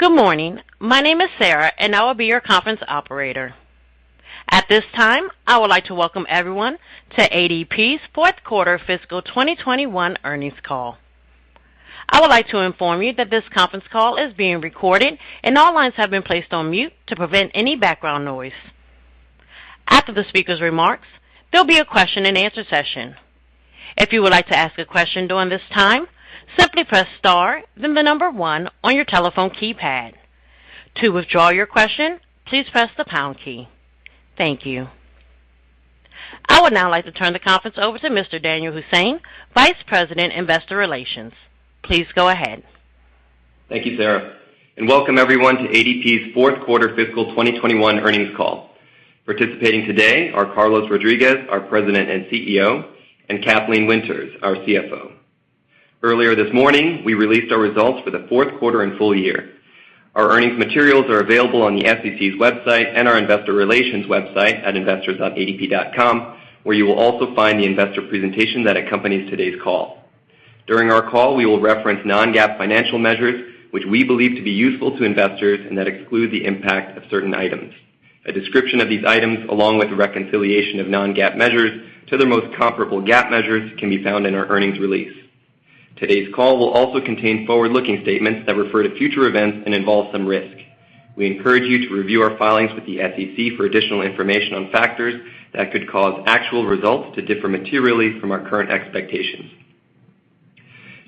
Good morning. My name is Sarah, and I will be your conference operator. At this time, I would like to welcome everyone to ADP's fourth quarter fiscal 2021 earnings call. I would like to inform you that this conference call is being recorded and all lines have been placed on mute to prevent any background noise. After the speaker's remarks, there'll be a question and answer session. If you would like to ask a question during this time, simply press star, then the number one on your telephone keypad. To withdraw your question, please press the pound key. Thank you. I would now like to turn the conference over to Mr. Danyal Hussain, Vice President, Investor Relations. Please go ahead. Thank you, Sarah, and welcome everyone to ADP's fourth quarter fiscal 2021 earnings call. Participating today are Carlos Rodriguez, our President and CEO, and Kathleen Winters, our CFO. Earlier this morning, we released our results for the fourth quarter and full year. Our earnings materials are available on the SEC's website and our investor relations website at investors.adp.com, where you will also find the investor presentation that accompanies today's call. During our call, we will reference non-GAAP financial measures, which we believe to be useful to investors and that exclude the impact of certain items. A description of these items, along with a reconciliation of non-GAAP measures to their most comparable GAAP measures, can be found in our earnings release. Today's call will also contain forward-looking statements that refer to future events and involve some risk. We encourage you to review our filings with the SEC for additional information on factors that could cause actual results to differ materially from our current expectations.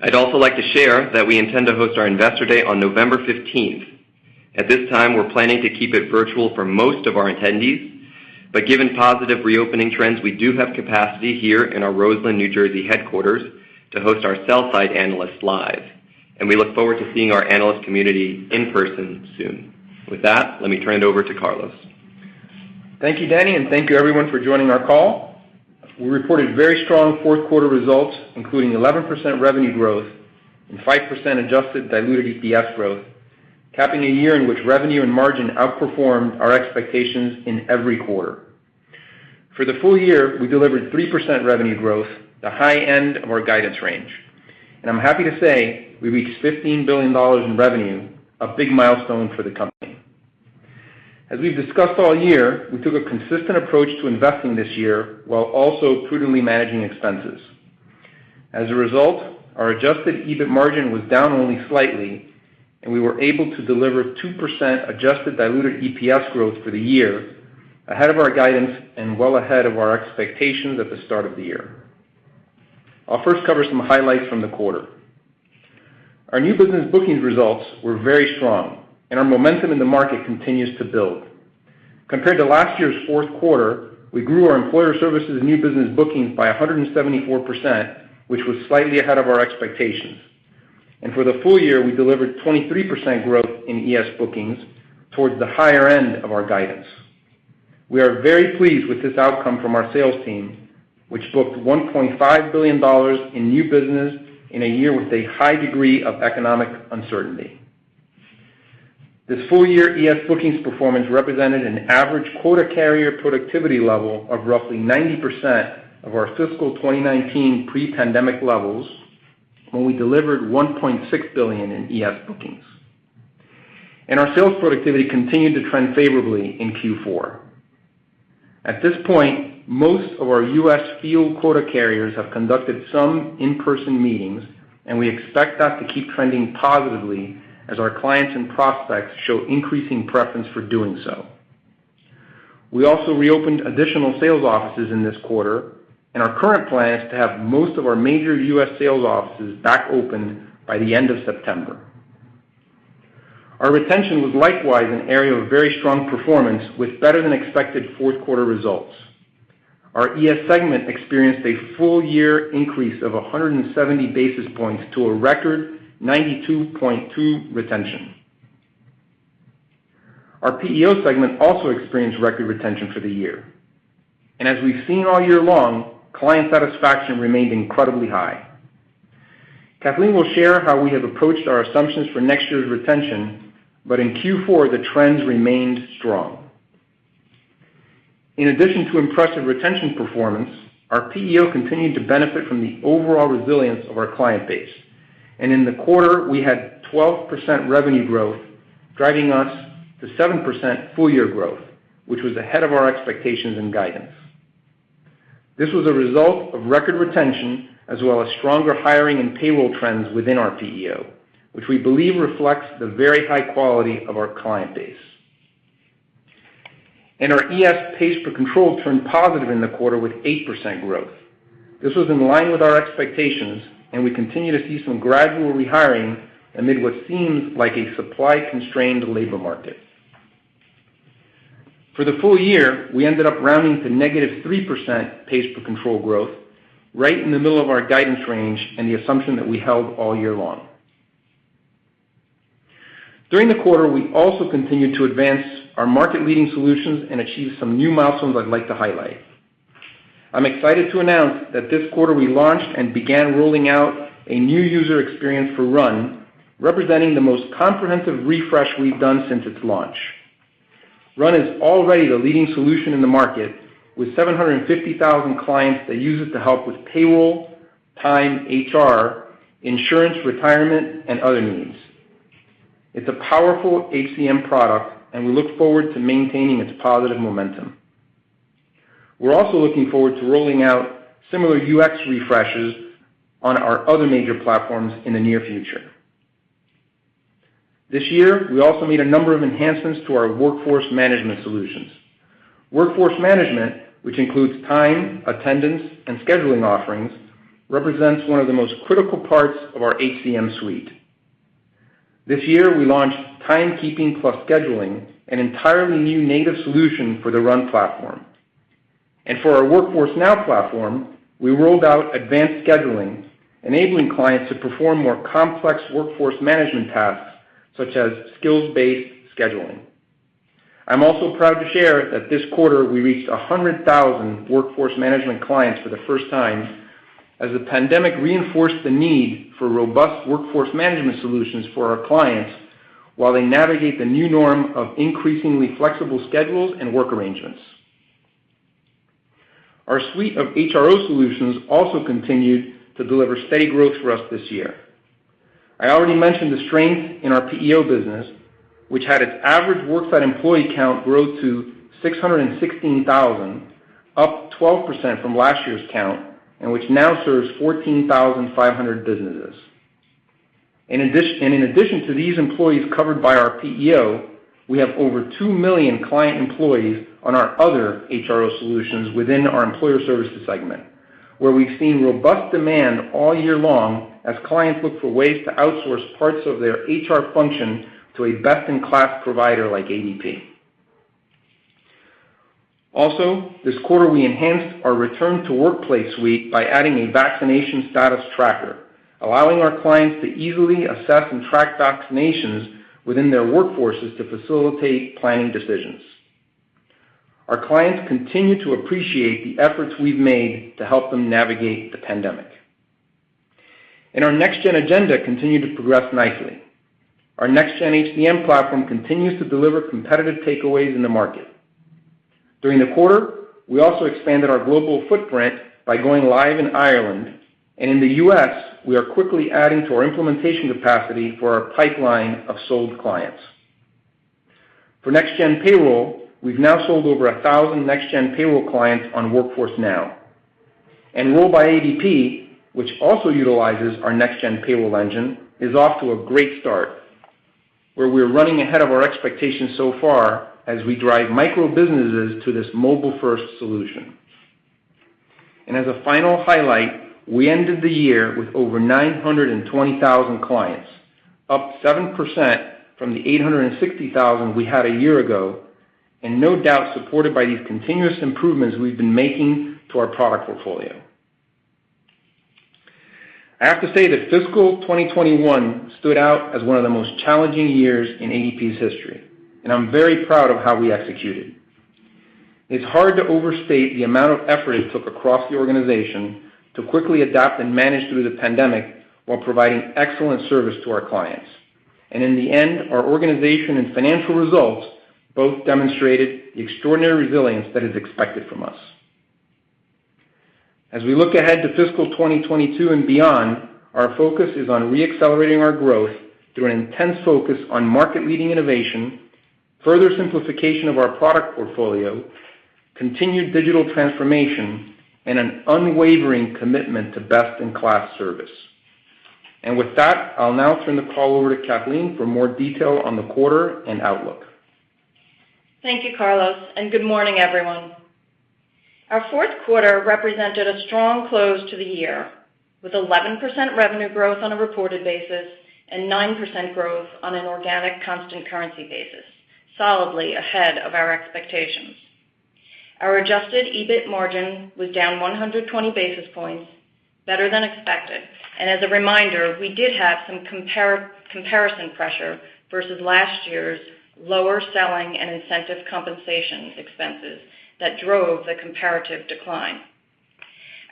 I'd also like to share that we intend to host our Investor Day on November 15th. At this time, we're planning to keep it virtual for most of our attendees, but given positive reopening trends, we do have capacity here in our Roseland, New Jersey headquarters to host our sell-side analysts live, and we look forward to seeing our analyst community in person soon. With that, let me turn it over to Carlos. Thank you, Danny, and thank you, everyone, for joining our call. We reported very strong fourth quarter results, including 11% revenue growth and 5% adjusted diluted EPS growth, capping a year in which revenue and margin outperformed our expectations in every quarter. For the full year, we delivered 3% revenue growth, the high end of our guidance range. I'm happy to say we reached $15 billion in revenue, a big milestone for the company. As we've discussed all year, we took a consistent approach to investing this year while also prudently managing expenses. As a result, our adjusted EBIT margin was down only slightly, and we were able to deliver 2% adjusted diluted EPS growth for the year, ahead of our guidance and well ahead of our expectations at the start of the year. I'll first cover some highlights from the quarter. Our new business bookings results were very strong, and our momentum in the market continues to build. Compared to last year's fourth quarter, we grew our Employer Services new business bookings by 174%, which was slightly ahead of our expectations. For the full year, we delivered 23% growth in ES bookings towards the higher end of our guidance. We are very pleased with this outcome from our sales team, which booked $1.5 billion in new business in a year with a high degree of economic uncertainty. This full-year ES bookings performance represented an average quota carrier productivity level of roughly 90% of our fiscal 2019 pre-pandemic levels when we delivered $1.6 billion in ES bookings. Our sales productivity continued to trend favorably in Q4. At this point, most of our U.S. field quota carriers have conducted some in-person meetings, and we expect that to keep trending positively as our clients and prospects show increasing preference for doing so. We also reopened additional sales offices in this quarter, and our current plan is to have most of our major U.S. sales offices back open by the end of September. Our retention was likewise an area of very strong performance with better-than-expected fourth quarter results. Our ES segment experienced a full-year increase of 170 basis points to a record 92.2 retention. Our PEO segment also experienced record retention for the year. As we've seen all year long, client satisfaction remained incredibly high. Kathleen will share how we have approached our assumptions for next year's retention, but in Q4, the trends remained strong. In addition to impressive retention performance, our PEO continued to benefit from the overall resilience of our client base. In the quarter, we had 12% revenue growth, driving us to 7% full-year growth, which was ahead of our expectations and guidance. This was a result of record retention, as well as stronger hiring and payroll trends within our PEO, which we believe reflects the very high quality of our client base. Our ES pays per control turned positive in the quarter with 8% growth. This was in line with our expectations, and we continue to see some gradual rehiring amid what seems like a supply-constrained labor market. For the full year, we ended up rounding to -3% pays per control growth, right in the middle of our guidance range and the assumption that we held all year long. During the quarter, we also continued to advance our market-leading solutions and achieve some new milestones I'd like to highlight. I'm excited to announce that this quarter we launched and began rolling out a new user experience for RUN, representing the most comprehensive refresh we've done since its launch. RUN is already the leading solution in the market, with 750,000 clients that use it to help with payroll, time, HR, insurance, retirement, and other needs. It's a powerful HCM product, and we look forward to maintaining its positive momentum. We're also looking forward to rolling out similar UX refreshes on our other major platforms in the near future. This year, we also made a number of enhancements to our workforce management solutions. Workforce management, which includes time, attendance, and scheduling offerings, represents one of the most critical parts of our HCM suite. This year, we launched Timekeeping Plus Scheduling, an entirely new native solution for the RUN platform. For our Workforce Now platform, we rolled out advanced scheduling, enabling clients to perform more complex workforce management tasks, such as skills-based scheduling. I'm also proud to share that this quarter, we reached 100,000 workforce management clients for the first time, as the pandemic reinforced the need for robust workforce management solutions for our clients while they navigate the new norm of increasingly flexible schedules and work arrangements. Our suite of HRO solutions also continued to deliver steady growth for us this year. I already mentioned the strength in our PEO business, which had its average worksite employee count grow to 616,000, up 12% from last year's count, and which now serves 14,500 businesses. In addition to these employees covered by our PEO, we have over 2 million client employees on our other HRO solutions within our Employer Services segment, where we've seen robust demand all year long as clients look for ways to outsource parts of their HR function to a best-in-class provider like ADP. Also, this quarter, we enhanced our return-to-workplace suite by adding a vaccination status tracker, allowing our clients to easily assess and track vaccinations within their workforces to facilitate planning decisions. Our clients continue to appreciate the efforts we've made to help them navigate the pandemic. Our Next Gen agenda continued to progress nicely. Our Next Gen HCM platform continues to deliver competitive takeaways in the market. During the quarter, we also expanded our global footprint by going live in Ireland, and in the U.S., we are quickly adding to our implementation capacity for our pipeline of sold clients. We've now sold over 1,000 Next Gen Payroll clients on Workforce Now. Roll by ADP, which also utilizes our Next Gen Payroll engine, is off to a great start, where we're running ahead of our expectations so far as we drive micro-businesses to this mobile-first solution. As a final highlight, we ended the year with over 920,000 clients, up 7% from the 860,000 we had a year ago, and no doubt supported by these continuous improvements we've been making to our product portfolio. I have to say that fiscal 2021 stood out as one of the most challenging years in ADP's history, and I'm very proud of how we executed. It's hard to overstate the amount of effort it took across the organization to quickly adapt and manage through the pandemic while providing excellent service to our clients. In the end, our organization and financial results both demonstrated the extraordinary resilience that is expected from us. As we look ahead to fiscal 2022 and beyond, our focus is on re-accelerating our growth through an intense focus on market-leading innovation, further simplification of our product portfolio, continued digital transformation, and an unwavering commitment to best-in-class service. With that, I'll now turn the call over to Kathleen for more detail on the quarter and outlook. Thank you, Carlos, and good morning, everyone. Our fourth quarter represented a strong close to the year, with 11% revenue growth on a reported basis and 9% growth on an organic constant currency basis, solidly ahead of our expectations. Our adjusted EBIT margin was down 120 basis points, better than expected. As a reminder, we did have some comparison pressure versus last year's lower selling and incentive compensation expenses that drove the comparative decline.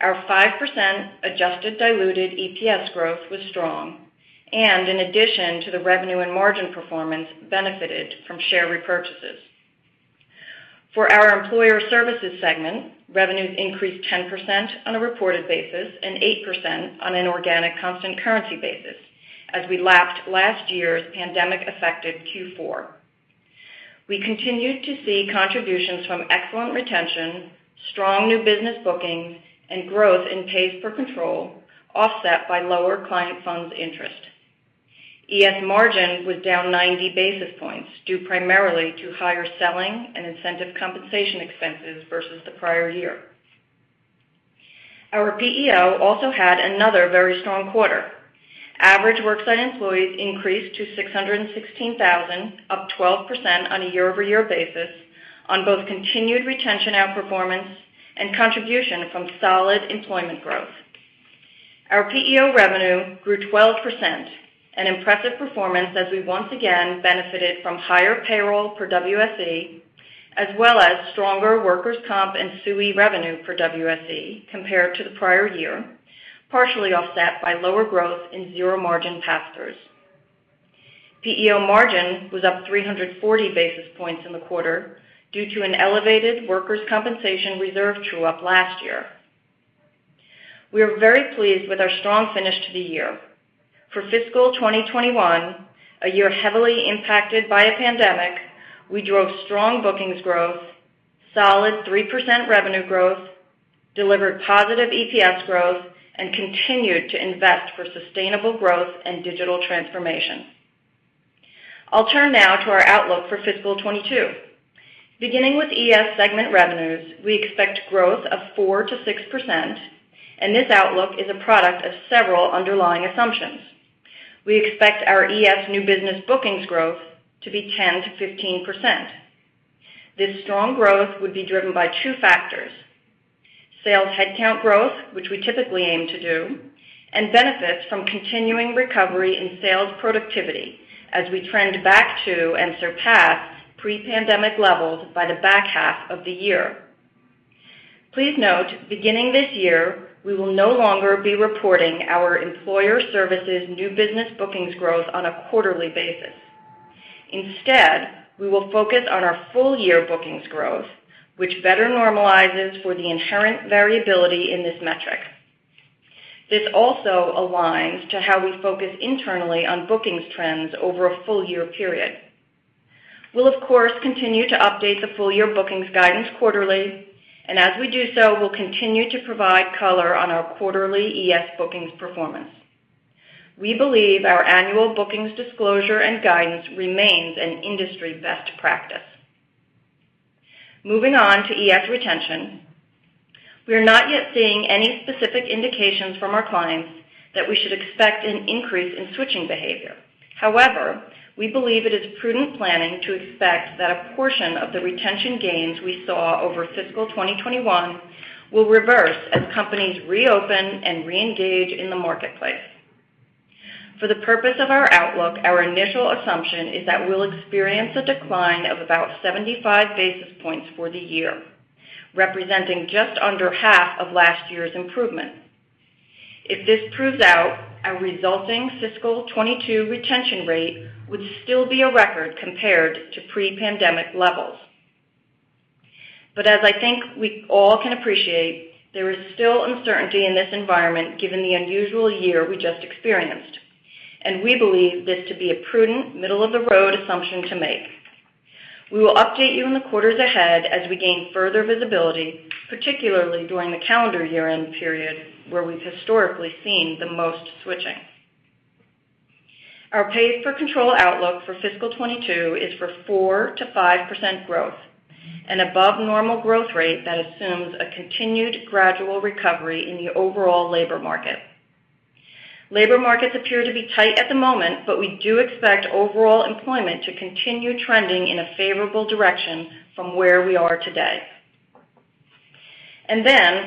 Our 5% adjusted diluted EPS growth was strong and, in addition to the revenue and margin performance, benefited from share repurchases. For our Employer Services segment, revenues increased 10% on a reported basis and 8% on an organic constant currency basis as we lapped last year's pandemic-affected Q4. We continued to see contributions from excellent retention, strong new business bookings, and growth in pays per control, offset by lower client funds interest. ES margin was down 90 basis points, due primarily to higher selling and incentive compensation expenses versus the prior year. Our PEO also had another very strong quarter. Average worksite employees increased to 616,000, up 12% on a year-over-year basis, on both continued retention outperformance and contribution from solid employment growth. Our PEO revenue grew 12%, an impressive performance as we once again benefited from higher payroll per WSE, as well as stronger workers' comp and SUI revenue per WSE compared to the prior year. Partially offset by lower growth in zero-margin pass-throughs. PEO margin was up 340 basis points in the quarter due to an elevated workers' compensation reserve true-up last year. We are very pleased with our strong finish to the year. For fiscal 2021, a year heavily impacted by a pandemic, we drove strong bookings growth, solid 3% revenue growth, delivered positive EPS growth, and continued to invest for sustainable growth and digital transformation. I'll turn now to our outlook for fiscal 2022. Beginning with ES segment revenues, we expect growth of 4%-6%, and this outlook is a product of several underlying assumptions. We expect our ES new business bookings growth to be 10%-15%. This strong growth would be driven by two factors: sales headcount growth, which we typically aim to do, and benefits from continuing recovery in sales productivity as we trend back to and surpass pre-pandemic levels by the back half of the year. Please note, beginning this year, we will no longer be reporting our Employer Services new business bookings growth on a quarterly basis. Instead, we will focus on our full-year bookings growth, which better normalizes for the inherent variability in this metric. This also aligns to how we focus internally on bookings trends over a full-year period. We'll, of course, continue to update the full-year bookings guidance quarterly, and as we do so, we'll continue to provide color on our quarterly ES bookings performance. We believe our annual bookings disclosure and guidance remains an industry best practice. Moving on to ES retention. We are not yet seeing any specific indications from our clients that we should expect an increase in switching behavior. However, we believe it is prudent planning to expect that a portion of the retention gains we saw over fiscal 2021 will reverse as companies reopen and reengage in the marketplace. For the purpose of our outlook, our initial assumption is that we'll experience a decline of about 75 basis points for the year, representing just under half of last year's improvement. If this proves out, our resulting fiscal year 2022 retention rate would still be a record compared to pre-pandemic levels. As I think we all can appreciate, there is still uncertainty in this environment given the unusual year we just experienced, and we believe this to be a prudent middle-of-the-road assumption to make. We will update you in the quarters ahead as we gain further visibility, particularly during the calendar year-end period, where we've historically seen the most switching. Our pays per control outlook for fiscal year 2022 is for 4%-5% growth, an above normal growth rate that assumes a continued gradual recovery in the overall labor market. Labor markets appear to be tight at the moment, we do expect overall employment to continue trending in a favorable direction from where we are today.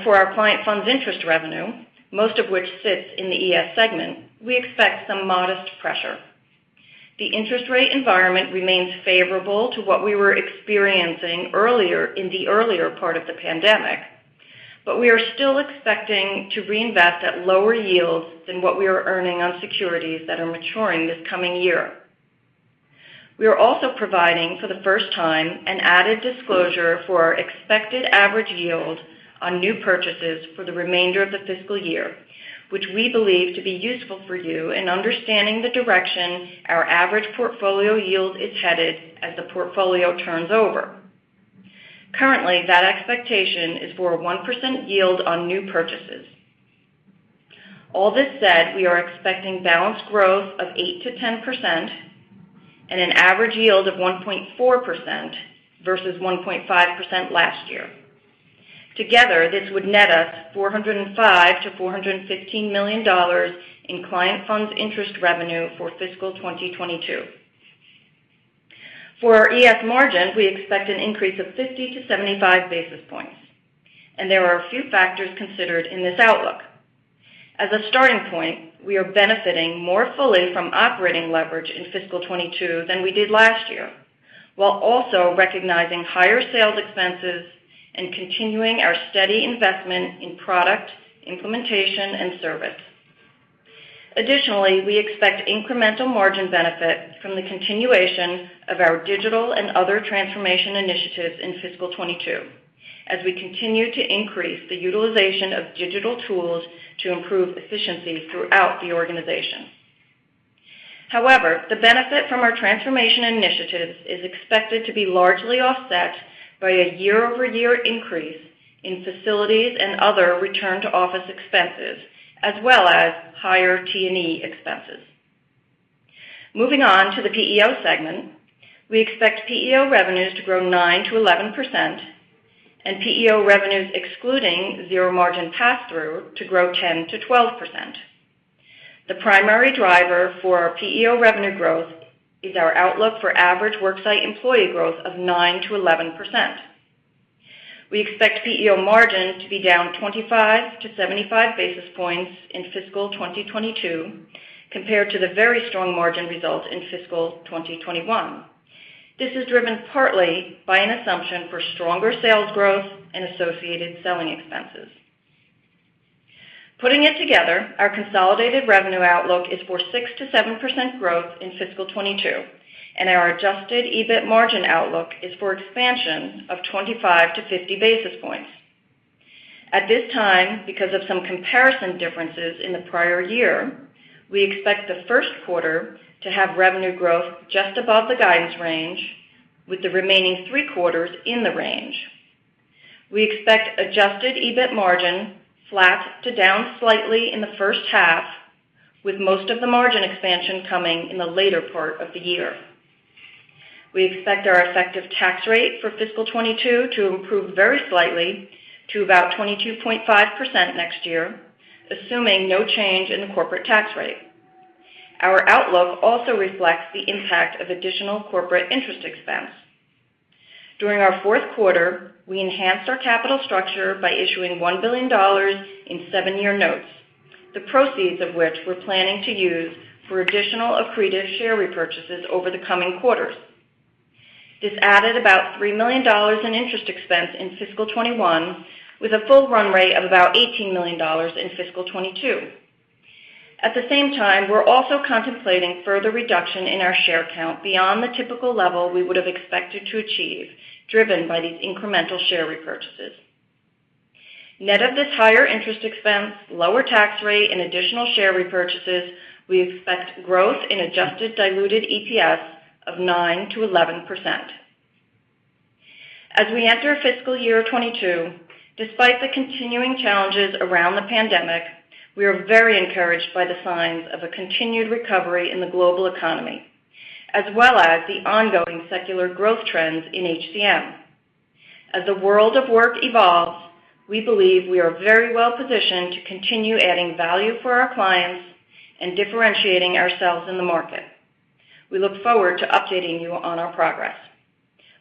For our client funds interest revenue, most of which sits in the ES segment, we expect some modest pressure. The interest rate environment remains favorable to what we were experiencing in the earlier part of the pandemic, we are still expecting to reinvest at lower yields than what we are earning on securities that are maturing this coming year. We are also providing, for the first time, an added disclosure for our expected average yield on new purchases for the remainder of the fiscal year, which we believe to be useful for you in understanding the direction our average portfolio yield is headed as the portfolio turns over. Currently, that expectation is for a 1% yield on new purchases. All this said, we are expecting balanced growth of 8%-10% and an average yield of 1.4% versus 1.5% last year. Together, this would net us $405 million-$415 million in client funds interest revenue for fiscal year 2022. For our ES margin, we expect an increase of 50-75 basis points. There are a few factors considered in this outlook. As a starting point, we are benefiting more fully from operating leverage in fiscal year 2022 than we did last year, while also recognizing higher sales expenses and continuing our steady investment in product, implementation, and service. We expect incremental margin benefit from the continuation of our digital and other transformation initiatives in fiscal year 2022 as we continue to increase the utilization of digital tools to improve efficiencies throughout the organization. The benefit from our transformation initiatives is expected to be largely offset by a year-over-year increase in facilities and other return-to-office expenses, as well as higher T&E expenses. Moving on to the PEO segment, we expect PEO revenues to grow 9%-11%, and PEO revenues excluding zero-margin pass-through to grow 10%-12%. The primary driver for our PEO revenue growth is our outlook for average worksite employee growth of 9%-11%. We expect PEO margin to be down 25-75 basis points in fiscal 2022 compared to the very strong margin result in fiscal 2021. This is driven partly by an assumption for stronger sales growth and associated selling expenses. Putting it together, our consolidated revenue outlook is for 6%-7% growth in fiscal 2022, and our adjusted EBIT margin outlook is for expansion of 25-50 basis points. At this time, because of some comparison differences in the prior year, we expect the first quarter to have revenue growth just above the guidance range, with the remaining three quarters in the range. We expect adjusted EBIT margin flat to down slightly in the first half, with most of the margin expansion coming in the later part of the year. We expect our effective tax rate for fiscal year 2022 to improve very slightly to about 22.5% next year, assuming no change in the corporate tax rate. Our outlook also reflects the impact of additional corporate interest expense. During our fourth quarter, we enhanced our capital structure by issuing $1 billion in seven-year notes, the proceeds of which we're planning to use for additional accretive share repurchases over the coming quarters. This added about $3 million in interest expense in fiscal year 2021, with a full run rate of about $18 million in fiscal year 2022. At the same time, we're also contemplating further reduction in our share count beyond the typical level we would have expected to achieve, driven by these incremental share repurchases. Net of this higher interest expense, lower tax rate, and additional share repurchases, we expect growth in adjusted diluted EPS of 9%-11%. As we enter fiscal year 2022, despite the continuing challenges around the pandemic, we are very encouraged by the signs of a continued recovery in the global economy, as well as the ongoing secular growth trends in HCM. As the world of work evolves, we believe we are very well-positioned to continue adding value for our clients and differentiating ourselves in the market. We look forward to updating you on our progress.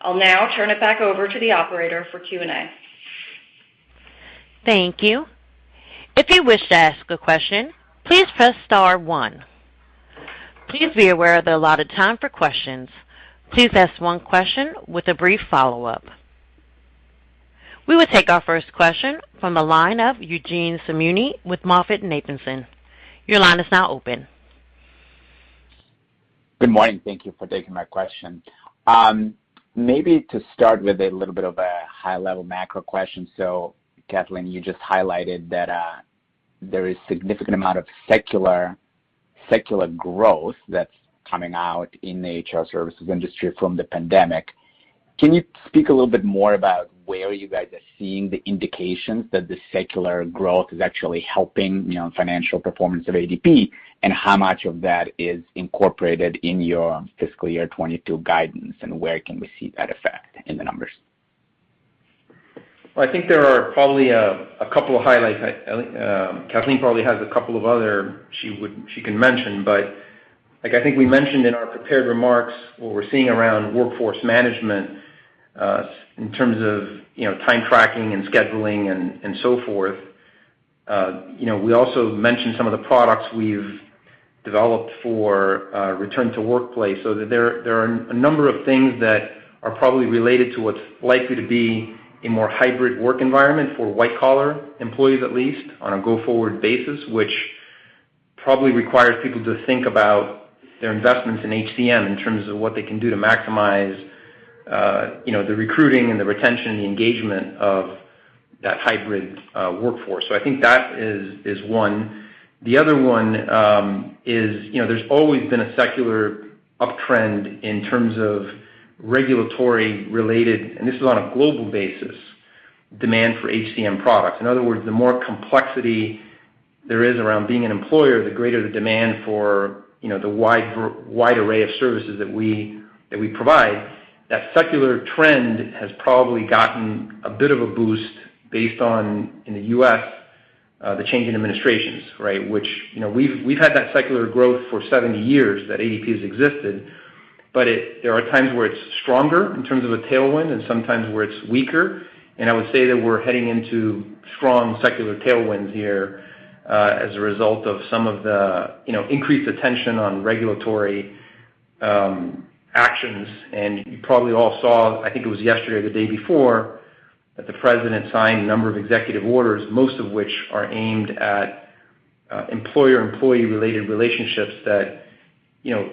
I'll now turn it back over to the operator for Q&A. Thank you. If you wish to ask a question, please press star one. Please be aware of the allotted time for questions. Please ask one question with a brief follow-up. We will take our first question from the line of Eugene Simuni with MoffettNathanson. Your line is now open. Good morning. Thank you for taking my question. Maybe to start with a little bit of a high-level macro question. Kathleen, you just highlighted that there is significant amount of secular growth that's coming out in the HR services industry from the pandemic. Can you speak a little bit more about where you guys are seeing the indications that the secular growth is actually helping financial performance of ADP, and how much of that is incorporated in your fiscal year 2022 guidance, and where can we see that effect in the numbers? Well, I think there are probably a couple of highlights. Kathleen probably has a couple of other she can mention, but I think we mentioned in our prepared remarks what we're seeing around workforce management, in terms of time tracking and scheduling and so forth. We also mentioned some of the products we've developed for return to workplace. There are a number of things that are probably related to what's likely to be a more hybrid work environment for white-collar employees, at least, on a go-forward basis, which probably requires people to think about their investments in HCM in terms of what they can do to maximize the recruiting and the retention and the engagement of that hybrid workforce. I think that is one. The other one is there's always been a secular uptrend in terms of regulatory-related, and this is on a global basis, demand for HCM products. In other words, the more complexity there is around being an employer, the greater the demand for the wide array of services that we provide. That secular trend has probably gotten a bit of a boost based on, in the U.S., the change in administrations, right? We've had that secular growth for 70 years, that ADP has existed, but there are times where it's stronger in terms of a tailwind and sometimes where it's weaker, and I would say that we're heading into strong secular tailwinds here as a result of some of the increased attention on regulatory actions. You probably all saw, I think it was yesterday or the day before, that the president signed a number of executive orders, most of which are aimed at employer-employee related relationships that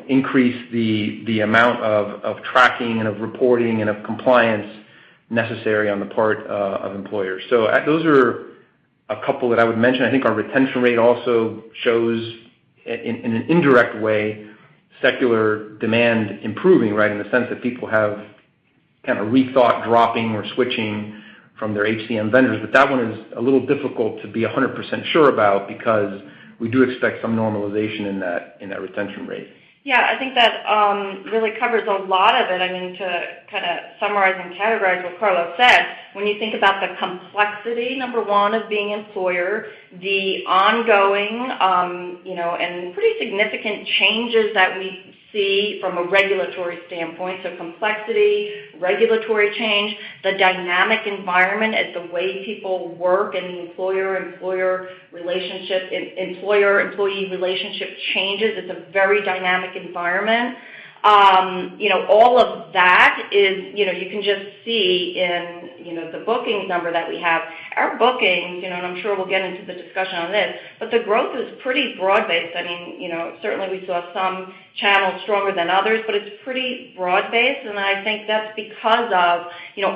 increase the amount of tracking and of reporting and of compliance necessary on the part of employers. Those are a couple that I would mention. I think our retention rate also shows, in an indirect way, secular demand improving, right? In the sense that people have kind of rethought dropping or switching from their HCM vendors. That one is a little difficult to be 100% sure about, because we do expect some normalization in that retention rate. Yeah, I think that really covers a lot of it. To kind of summarize and categorize what Carlos said, when you think about the complexity, number one, of being employer, the ongoing, and pretty significant changes that we see from a regulatory standpoint. Complexity, regulatory change, the dynamic environment as the way people work and the employer-employee relationship changes. It's a very dynamic environment. All of that, you can just see in the bookings number that we have. Our bookings, and I'm sure we'll get into the discussion on this, but the growth is pretty broad-based. Certainly, we saw some channels stronger than others, but it's pretty broad-based, and I think that's because of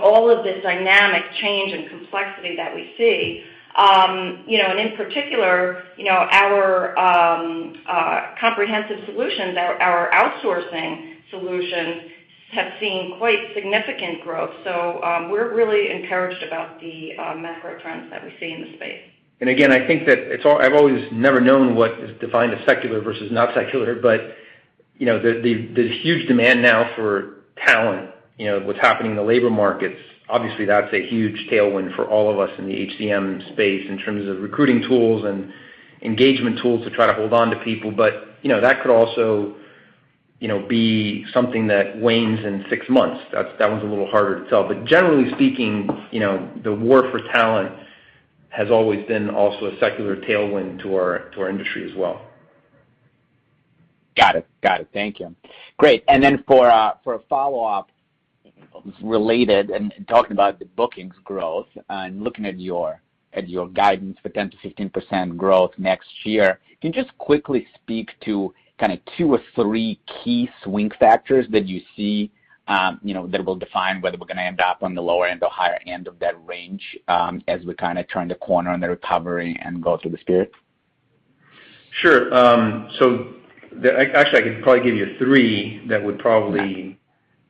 all of this dynamic change and complexity that we see. In particular, our comprehensive solutions, our outsourcing solutions, have seen quite significant growth. We're really encouraged about the macro trends that we see in the space. Again, I think that I've always never known what is defined as secular versus not secular, but the huge demand now for talent, what's happening in the labor markets, obviously, that's a huge tailwind for all of us in the HCM space in terms of recruiting tools and engagement tools to try to hold on to people. That could also be something that wanes in six months. That one's a little harder to tell. Generally speaking, the war for talent has always been also a secular tailwind to our industry as well. Got it. Thank you. Great. Then for a follow-up related and talking about the bookings growth and looking at your guidance for 10%-15% growth next year, can you just quickly speak to two or three key swing factors that you see that will define whether we're going to end up on the lower end or higher end of that range as we turn the corner on the recovery and go through this period? Sure. Actually, I could probably give you three that would probably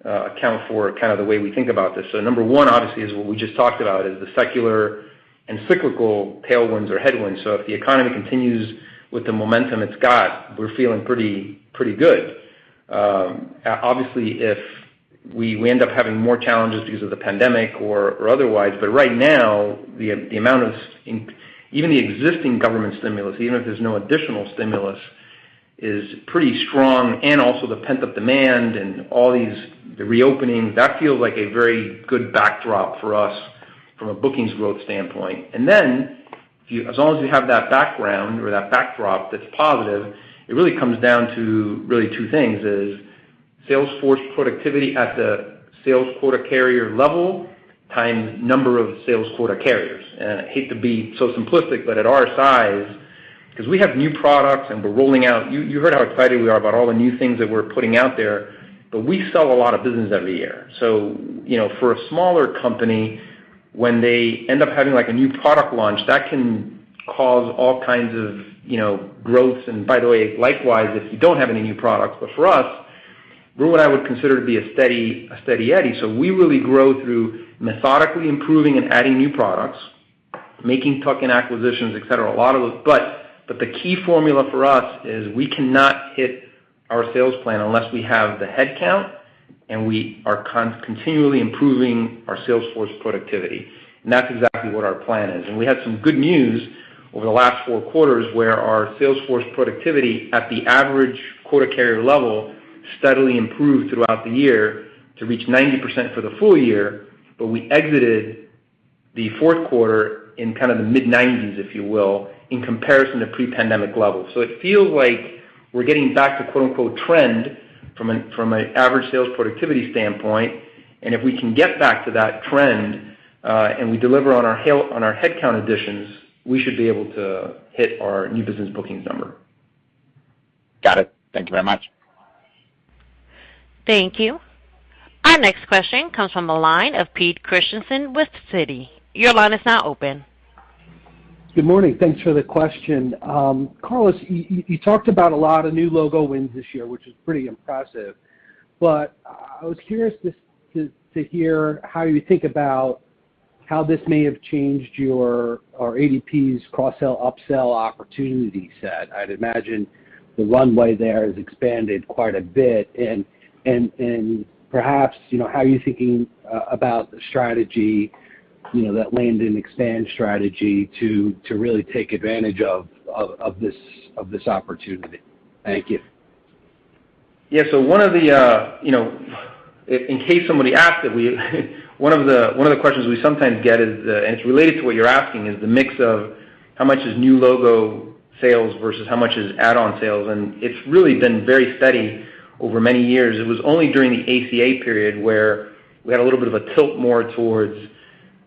account for the way we think about this. Number one, obviously, is what we just talked about, is the secular and cyclical tailwinds or headwinds. If the economy continues with the momentum it's got, we're feeling pretty good. Obviously, if we end up having more challenges because of the pandemic or otherwise, but right now, even the existing government stimulus, even if there's no additional stimulus, is pretty strong, and also the pent-up demand and all these, the reopening, that feels like a very good backdrop for us from a bookings growth standpoint. As long as we have that background or that backdrop that's positive, it really comes down to really two things, is sales force productivity at the sales quota carrier level times number of sales quota carriers. I hate to be so simplistic, but at our size, because we have new products and we're rolling out-- you heard how excited we are about all the new things that we're putting out there, but we sell a lot of business every year. For a smaller company, when they end up having a new product launch, that can cause all kinds of growth, and by the way, likewise, if you don't have any new products. For us, we're what I would consider to be a steady eddy. We really grow through methodically improving and adding new products, making tuck-in acquisitions, et cetera. A lot of those. The key formula for us is we cannot hit our sales plan unless we have the headcount, and we are continually improving our sales force productivity. That's exactly what our plan is. We had some good news over the last four quarters, where our sales force productivity at the average quota carrier level steadily improved throughout the year to reach 90% for the full year. We exited the fourth quarter in the mid-90s, if you will, in comparison to pre-pandemic levels. It feels like we're getting back to "trend" from an average sales productivity standpoint, and if we can get back to that trend, and we deliver on our headcount additions, we should be able to hit our new business bookings number. Got it. Thank you very much. Thank you. Our next question comes from the line of Pete Christiansen with Citi. Good morning. Thanks for the question. Carlos, you talked about a lot of new logo wins this year, which is pretty impressive. I was curious to hear how you think about how this may have changed your or ADP's cross-sell, up-sell opportunity set. I'd imagine the runway there has expanded quite a bit, and perhaps, how are you thinking about the strategy, that land and expand strategy, to really take advantage of this opportunity? Thank you. Yeah. In case somebody asks it, one of the questions we sometimes get is, it's related to what you're asking, is the mix of how much is new logo sales versus how much is add-on sales? It's really been very steady over many years. It was only during the ACA period where we had a little bit of a tilt more towards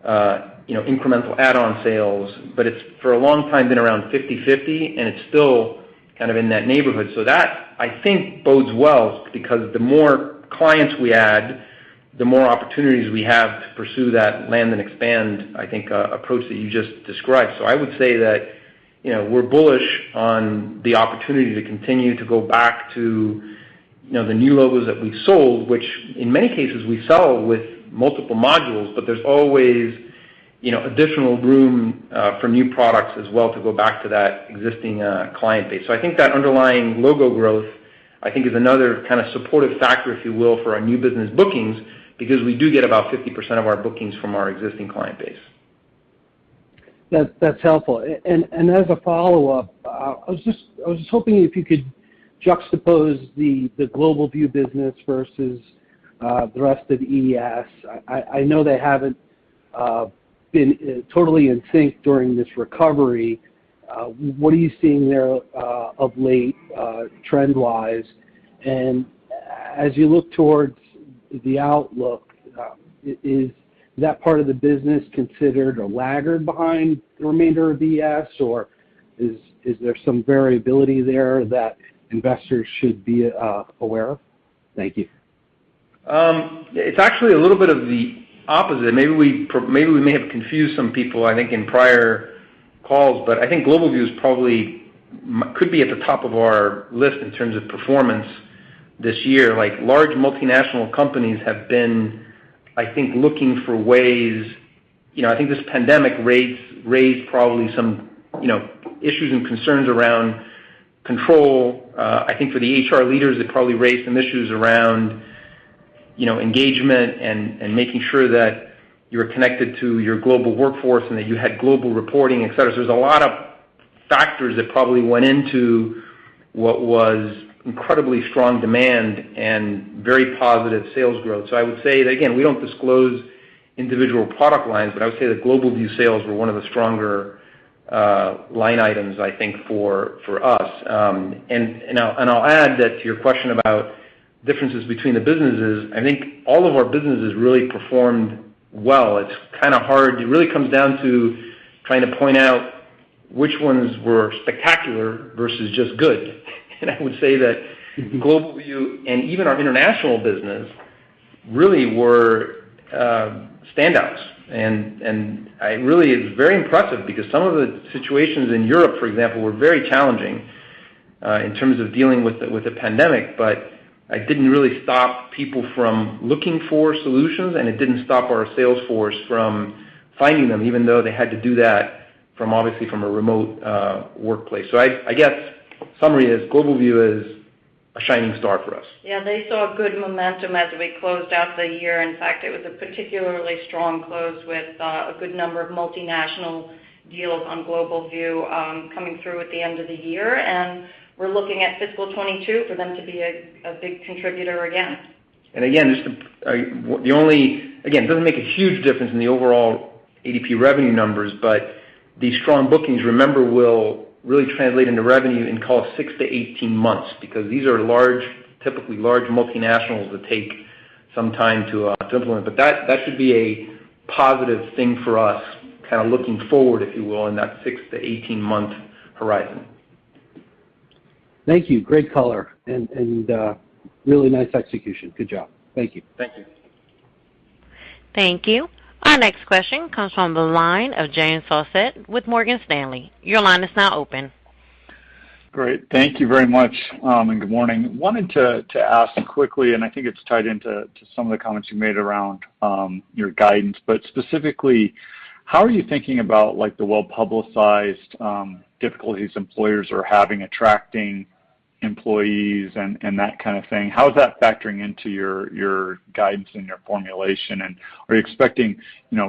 incremental add-on sales. It's, for a long time, been around 50/50, and it's still in that neighborhood. That, I think, bodes well because the more clients we add, the more opportunities we have to pursue that land and expand, I think, approach that you just described. I would say that we're bullish on the opportunity to continue to go back to the new logos that we've sold, which in many cases we sell with multiple modules, but there's always additional room for new products as well to go back to that existing client base. I think that underlying logo growth, I think, is another supportive factor, if you will, for our new business bookings because we do get about 50% of our bookings from our existing client base. That's helpful. As a follow-up, I was just hoping if you could juxtapose the GlobalView business versus the rest of ES. I know they haven't been totally in sync during this recovery. What are you seeing there of late trend wise? As you look towards the outlook, is that part of the business considered a laggard behind the remainder of ES, or is there some variability there that investors should be aware of? Thank you. It's actually a little bit of the opposite. Maybe we may have confused some people, I think, in prior calls, but I think GlobalView probably could be at the top of our list in terms of performance this year. Large multinational companies have been, I think, looking for ways I think this pandemic raised probably some issues and concerns around control. I think for the HR leaders, it probably raised some issues around engagement and making sure that you're connected to your global workforce and that you had global reporting, et cetera. There's a lot of factors that probably went into what was incredibly strong demand and very positive sales growth. I would say that, again, we don't disclose individual product lines, but I would say that GlobalView sales were one of the stronger line items, I think, for us. I'll add that to your question about differences between the businesses, I think all of our businesses really performed well. It really comes down to trying to point out which ones were spectacular versus just good. I would say that GlobalView, and even our international business, really were standouts. It really is very impressive because some of the situations in Europe, for example, were very challenging in terms of dealing with the pandemic. It didn't really stop people from looking for solutions, and it didn't stop our sales force from finding them, even though they had to do that obviously from a remote workplace. I guess summary is GlobalView is a shining star for us. They saw good momentum as we closed out the year. In fact, it was a particularly strong close with a good number of multinational deals on GlobalView coming through at the end of the year, and we're looking at fiscal year 2022 for them to be a big contributor again. Again, it doesn't make a huge difference in the overall ADP revenue numbers, but these strong bookings, remember, will really translate into revenue in, call it, 6-18 months, because these are typically large multinationals that take some time to implement. That should be a positive thing for us looking forward, if you will, in that 6-18 month horizon. Thank you. Great color, and really nice execution. Good job. Thank you. Thank you. Thank you. Our next question comes from the line of James Faucette with Morgan Stanley. Your line is now open. Great. Thank you very much, and good morning. I wanted to ask quickly, and I think it's tied into some of the comments you made around your guidance, but specifically, how are you thinking about the well-publicized difficulties employers are having attracting employees and that kind of thing? How is that factoring into your guidance and your formulation, and are you expecting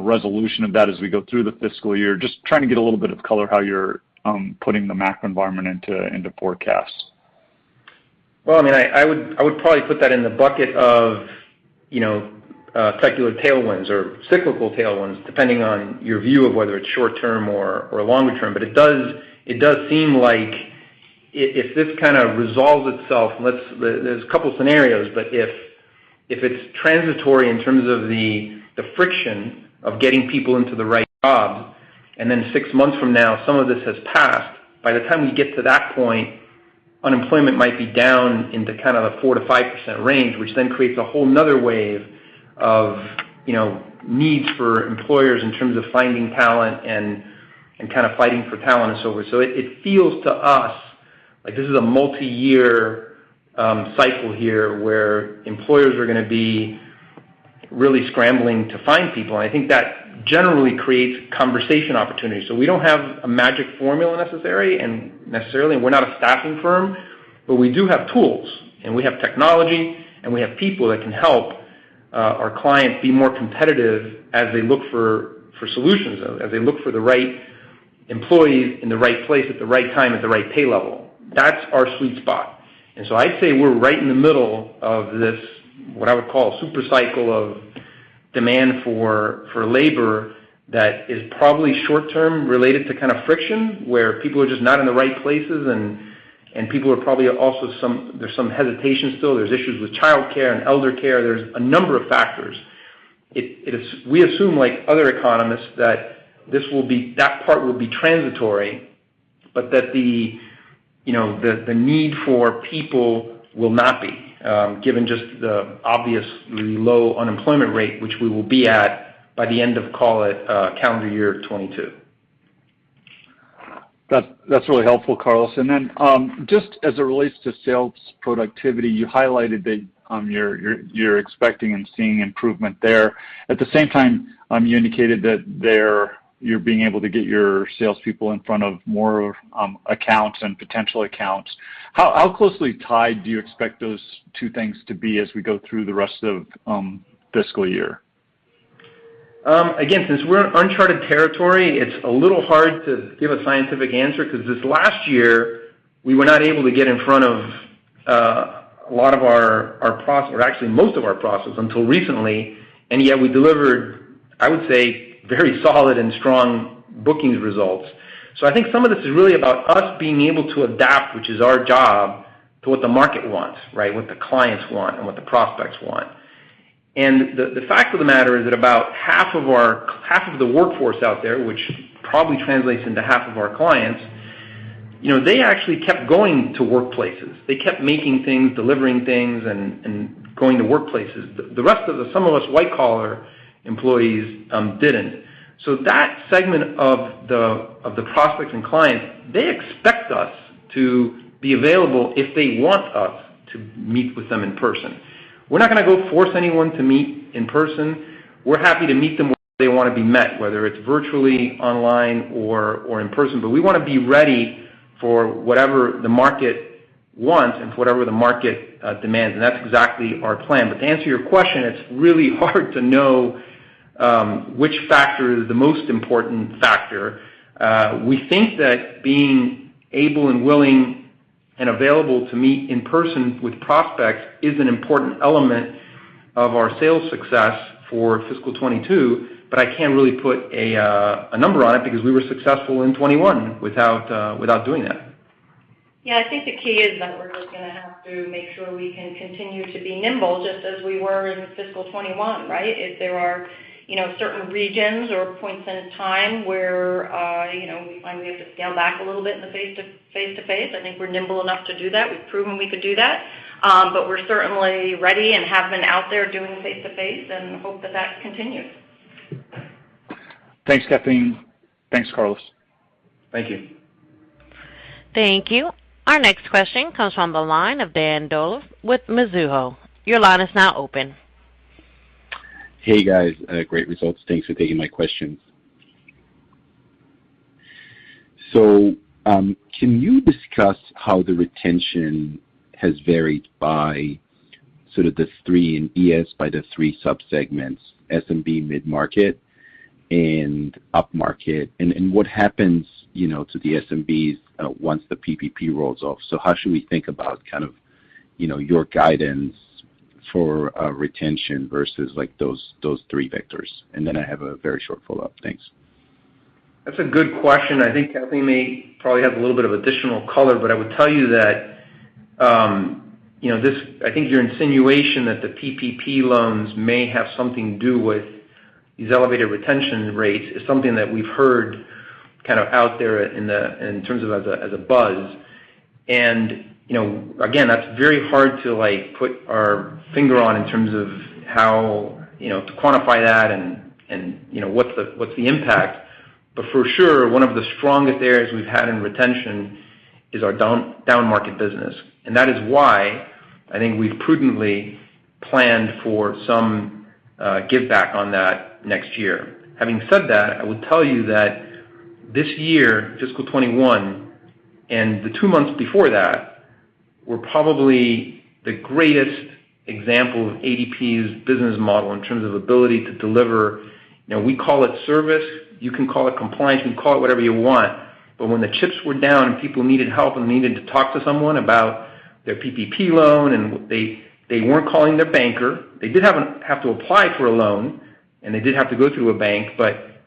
resolution of that as we go through the fiscal year? I'm just trying to get a little bit of color how you're putting the macro environment into forecasts. I would probably put that in the bucket of secular tailwinds or cyclical tailwinds, depending on your view of whether it's short-term or longer term. It does seem like if this kind of resolves itself, there's a couple scenarios, if it's transitory in terms of the friction of getting people into the right jobs, and then six months from now, some of this has passed, by the time we get to that point, unemployment might be down into the 4%-5% range, which then creates a whole another wave of needs for employers in terms of finding talent and fighting for talent and so forth. It feels to us like this is a multi-year cycle here where employers are going to be really scrambling to find people, and I think that generally creates conversation opportunities. We don't have a magic formula necessary, and necessarily, we're not a staffing firm, but we do have tools, and we have technology, and we have people that can help our clients be more competitive as they look for solutions, as they look for the right employees in the right place at the right time at the right pay level. That's our sweet spot. I'd say we're right in the middle of this, what I would call super cycle of demand for labor that is probably short-term related to friction, where people are just not in the right places and people are probably also, there's some hesitation still. There's issues with childcare and elder care. There's a number of factors. We assume, like other economists, that that part will be transitory, but that the need for people will not be, given just the obviously low unemployment rate, which we will be at by the end of, call it, calendar year 2022. That's really helpful, Carlos. Just as it relates to sales productivity, you highlighted that you're expecting and seeing improvement there. At the same time, you indicated that you're being able to get your salespeople in front of more accounts and potential accounts. How closely tied do you expect those two things to be as we go through the rest of fiscal year? Again, since we're in uncharted territory, it's a little hard to give a scientific answer because this last year we were not able to get in front of a lot of our prospects, or actually most of our prospects, until recently, and yet we delivered, I would say, very solid and strong bookings results. I think some of this is really about us being able to adapt, which is our job, to what the market wants, right? What the clients want and what the prospects want. The fact of the matter is that about half of the workforce out there, which probably translates into half of our clients, they actually kept going to workplaces. They kept making things, delivering things, and going to workplaces. Some of us white-collar employees didn't. That segment of the prospects and clients, they expect us to be available if they want us to meet with them in person. We're not going to go force anyone to meet in person. We're happy to meet them where they want to be met, whether it's virtually online or in person. We want to be ready for whatever the market wants and for whatever the market demands, and that's exactly our plan. To answer your question, it's really hard to know which factor is the most important factor. We think that being able and willing and available to meet in person with prospects is an important element of our sales success for fiscal 2022, but I can't really put a number on it because we were successful in 2021 without doing that. Yeah, I think the key is that we're just going to have to make sure we can continue to be nimble, just as we were in fiscal year 2021, right? If there are certain regions or points in time where we find we have to scale back a little bit in the face-to-face, I think we're nimble enough to do that. We've proven we could do that. We're certainly ready and have been out there doing face-to-face and hope that continues. Thanks, Kathleen. Thanks, Carlos. Thank you. Thank you. Our next question comes from the line of Dan Dolev with Mizuho. Your line is now open. Hey, guys. Great results. Thanks for taking my questions. Can you discuss how the retention has varied by sort of the three in ES by the three sub-segments, SMB, mid-market, and upmarket, and what happens to the SMBs once the PPP rolls off? How should we think about your guidance for retention versus those three vectors? I have a very short follow-up. Thanks. That's a good question. I think Kathleen may probably have a little bit of additional color, but I would tell you that I think your insinuation that the PPP loans may have something to do with these elevated retention rates is something that we've heard out there in terms of as a buzz. Again, that's very hard to put our finger on in terms of how to quantify that and what's the impact. For sure, one of the strongest areas we've had in retention is our downmarket business. That is why I think we've prudently planned for some give back on that next year. Having said that, I would tell you that this year, fiscal 2021, and the two months before that, were probably the greatest example of ADP's business model in terms of ability to deliver. We call it service. You can call it compliance. You can call it whatever you want. When the chips were down and people needed help and needed to talk to someone about their PPP loan and they weren't calling their banker. They did have to apply for a loan, and they did have to go through a bank, but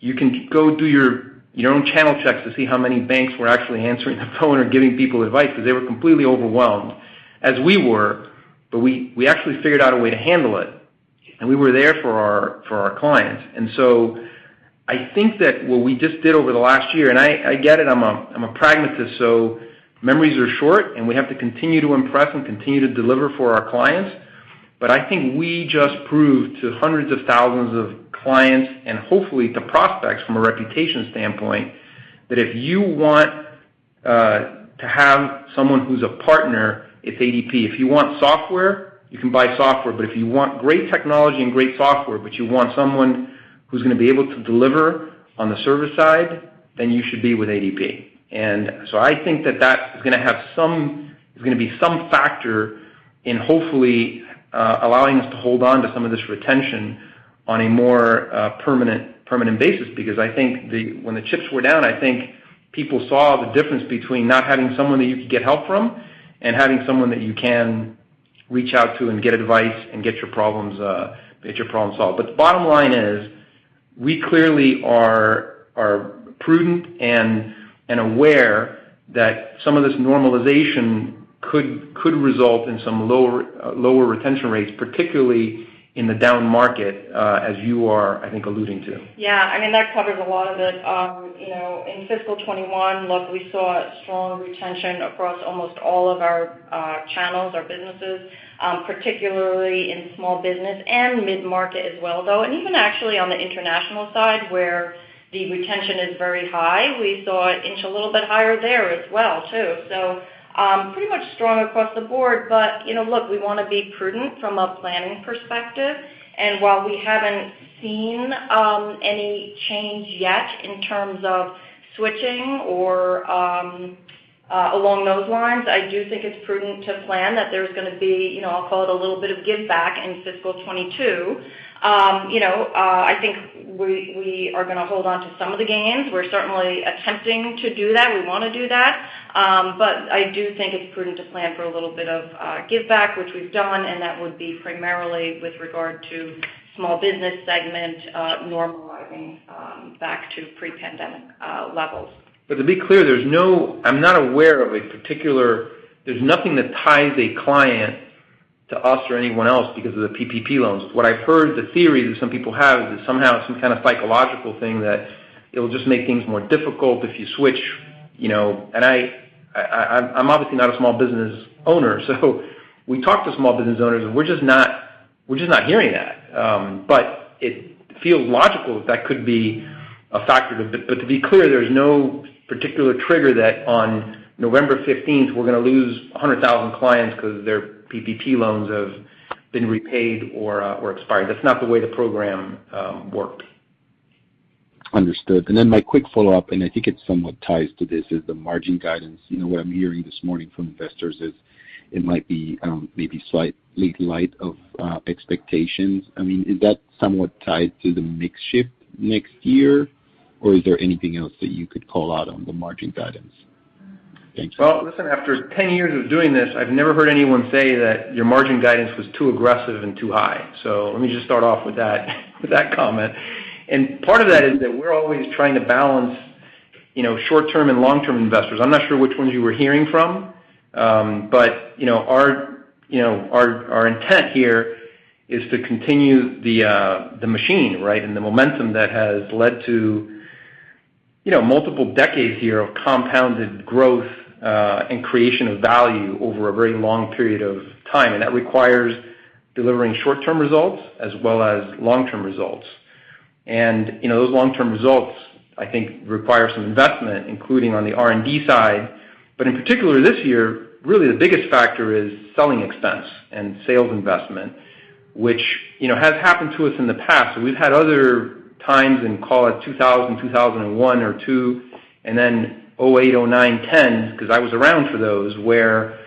you can go do your own channel checks to see how many banks were actually answering the phone or giving people advice because they were completely overwhelmed, as we were, but we actually figured out a way to handle it, and we were there for our clients. I think that what we just did over the last year, and I get it, I'm a pragmatist, so memories are short, and we have to continue to impress and continue to deliver for our clients. I think we just proved to hundreds of thousands of clients and hopefully to prospects from a reputation standpoint, that if you want to have someone who's a partner, it's ADP. If you want software, you can buy software. If you want great technology and great software, but you want someone who's going to be able to deliver on the service side, then you should be with ADP. I think that is going to be some factor in hopefully allowing us to hold on to some of this retention on a more permanent basis, because I think when the chips were down, I think people saw the difference between not having someone that you could get help from and having someone that you can reach out to and get advice and get your problem solved. The bottom line is, we clearly are prudent and aware that some of this normalization could result in some lower retention rates, particularly in the downmarket, as you are, I think, alluding to. Yeah, that covers a lot of it. In fiscal year 2021, look, we saw strong retention across almost all of our channels, our businesses, particularly in small business and mid-market as well, though. Even actually on the international side, where the retention is very high. We saw it inch a little bit higher there as well, too. Pretty much strong across the board. Look, we want to be prudent from a planning perspective. While we haven't seen yet in terms of switching or along those lines. I do think it's prudent to plan that there's going to be, I'll call it a little bit of giveback in fiscal year 2022. I think we are going to hold onto some of the gains. We're certainly attempting to do that. We want to do that. I do think it's prudent to plan for a little bit of giveback, which we've done, and that would be primarily with regard to small business segment normalizing back to pre-pandemic levels. To be clear, I'm not aware of a particular. There's nothing that ties a client to us or anyone else because of the PPP loans. What I've heard, the theory that some people have, is that somehow it's some kind of psychological thing that it'll just make things more difficult if you switch. I'm obviously not a small business owner, so we talk to small business owners, and we're just not hearing that. It feels logical that could be a factor. To be clear, there's no particular trigger that on November 15th, we're going to lose 100,000 clients because their PPP loans have been repaid or expired. That's not the way the program worked. Understood. My quick follow-up, and I think it somewhat ties to this, is the margin guidance. What I'm hearing this morning from investors is it might be slightly light of expectations. Is that somewhat tied to the mix shift next year, or is there anything else that you could call out on the margin guidance? Thanks. Well, listen, after 10 years of doing this, I've never heard anyone say that your margin guidance was too aggressive and too high. Let me just start off with that comment. Part of that is that we're always trying to balance short-term and long-term investors. I'm not sure which ones you were hearing from. Our intent here is to continue the machine, right? The momentum that has led to multiple decades here of compounded growth and creation of value over a very long period of time. That requires delivering short-term results as well as long-term results. Those long-term results, I think, require some investment, including on the R&D side. In particular this year, really the biggest factor is selling expense and sales investment, which has happened to us in the past. We've had other times in, call it 2000, 2001 or 2002, and then 2008, 2009, 2010, because I was around for those, where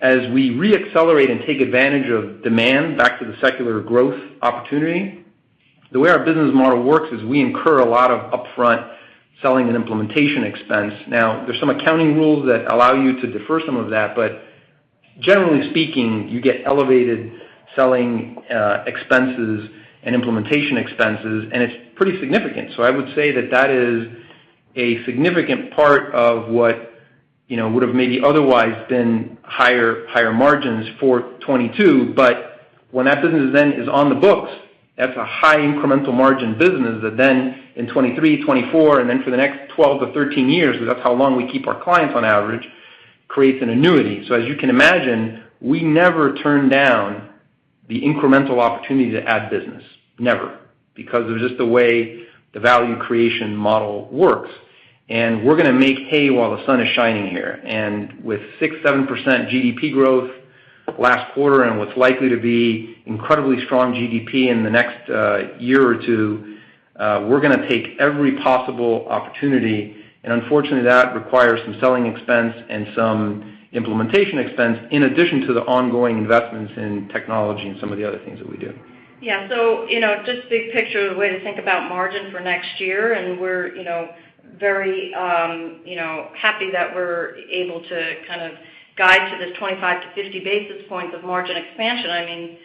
as we re-accelerate and take advantage of demand back to the secular growth opportunity, the way our business model works is we incur a lot of upfront selling and implementation expense. There's some accounting rules that allow you to defer some of that, but generally speaking, you get elevated selling expenses and implementation expenses, and it's pretty significant. I would say that that is a significant part of what would have maybe otherwise been higher margins for 2022. When that business then is on the books, that's a high incremental margin business that then in 2023, 2024, and then for the next 12-13 years, because that's how long we keep our clients on average, creates an annuity. As you can imagine, we never turn down the incremental opportunity to add business, never, because of just the way the value creation model works. We're going to make hay while the sun is shining here. With 6%, 7% GDP growth last quarter and what's likely to be incredibly strong GDP in the next year or two, we're going to take every possible opportunity. Unfortunately, that requires some selling expense and some implementation expense in addition to the ongoing investments in technology and some of the other things that we do. Yeah. Just big picture, the way to think about margin for next year, and we're very happy that we're able to guide to this 25-50 basis points of margin expansion.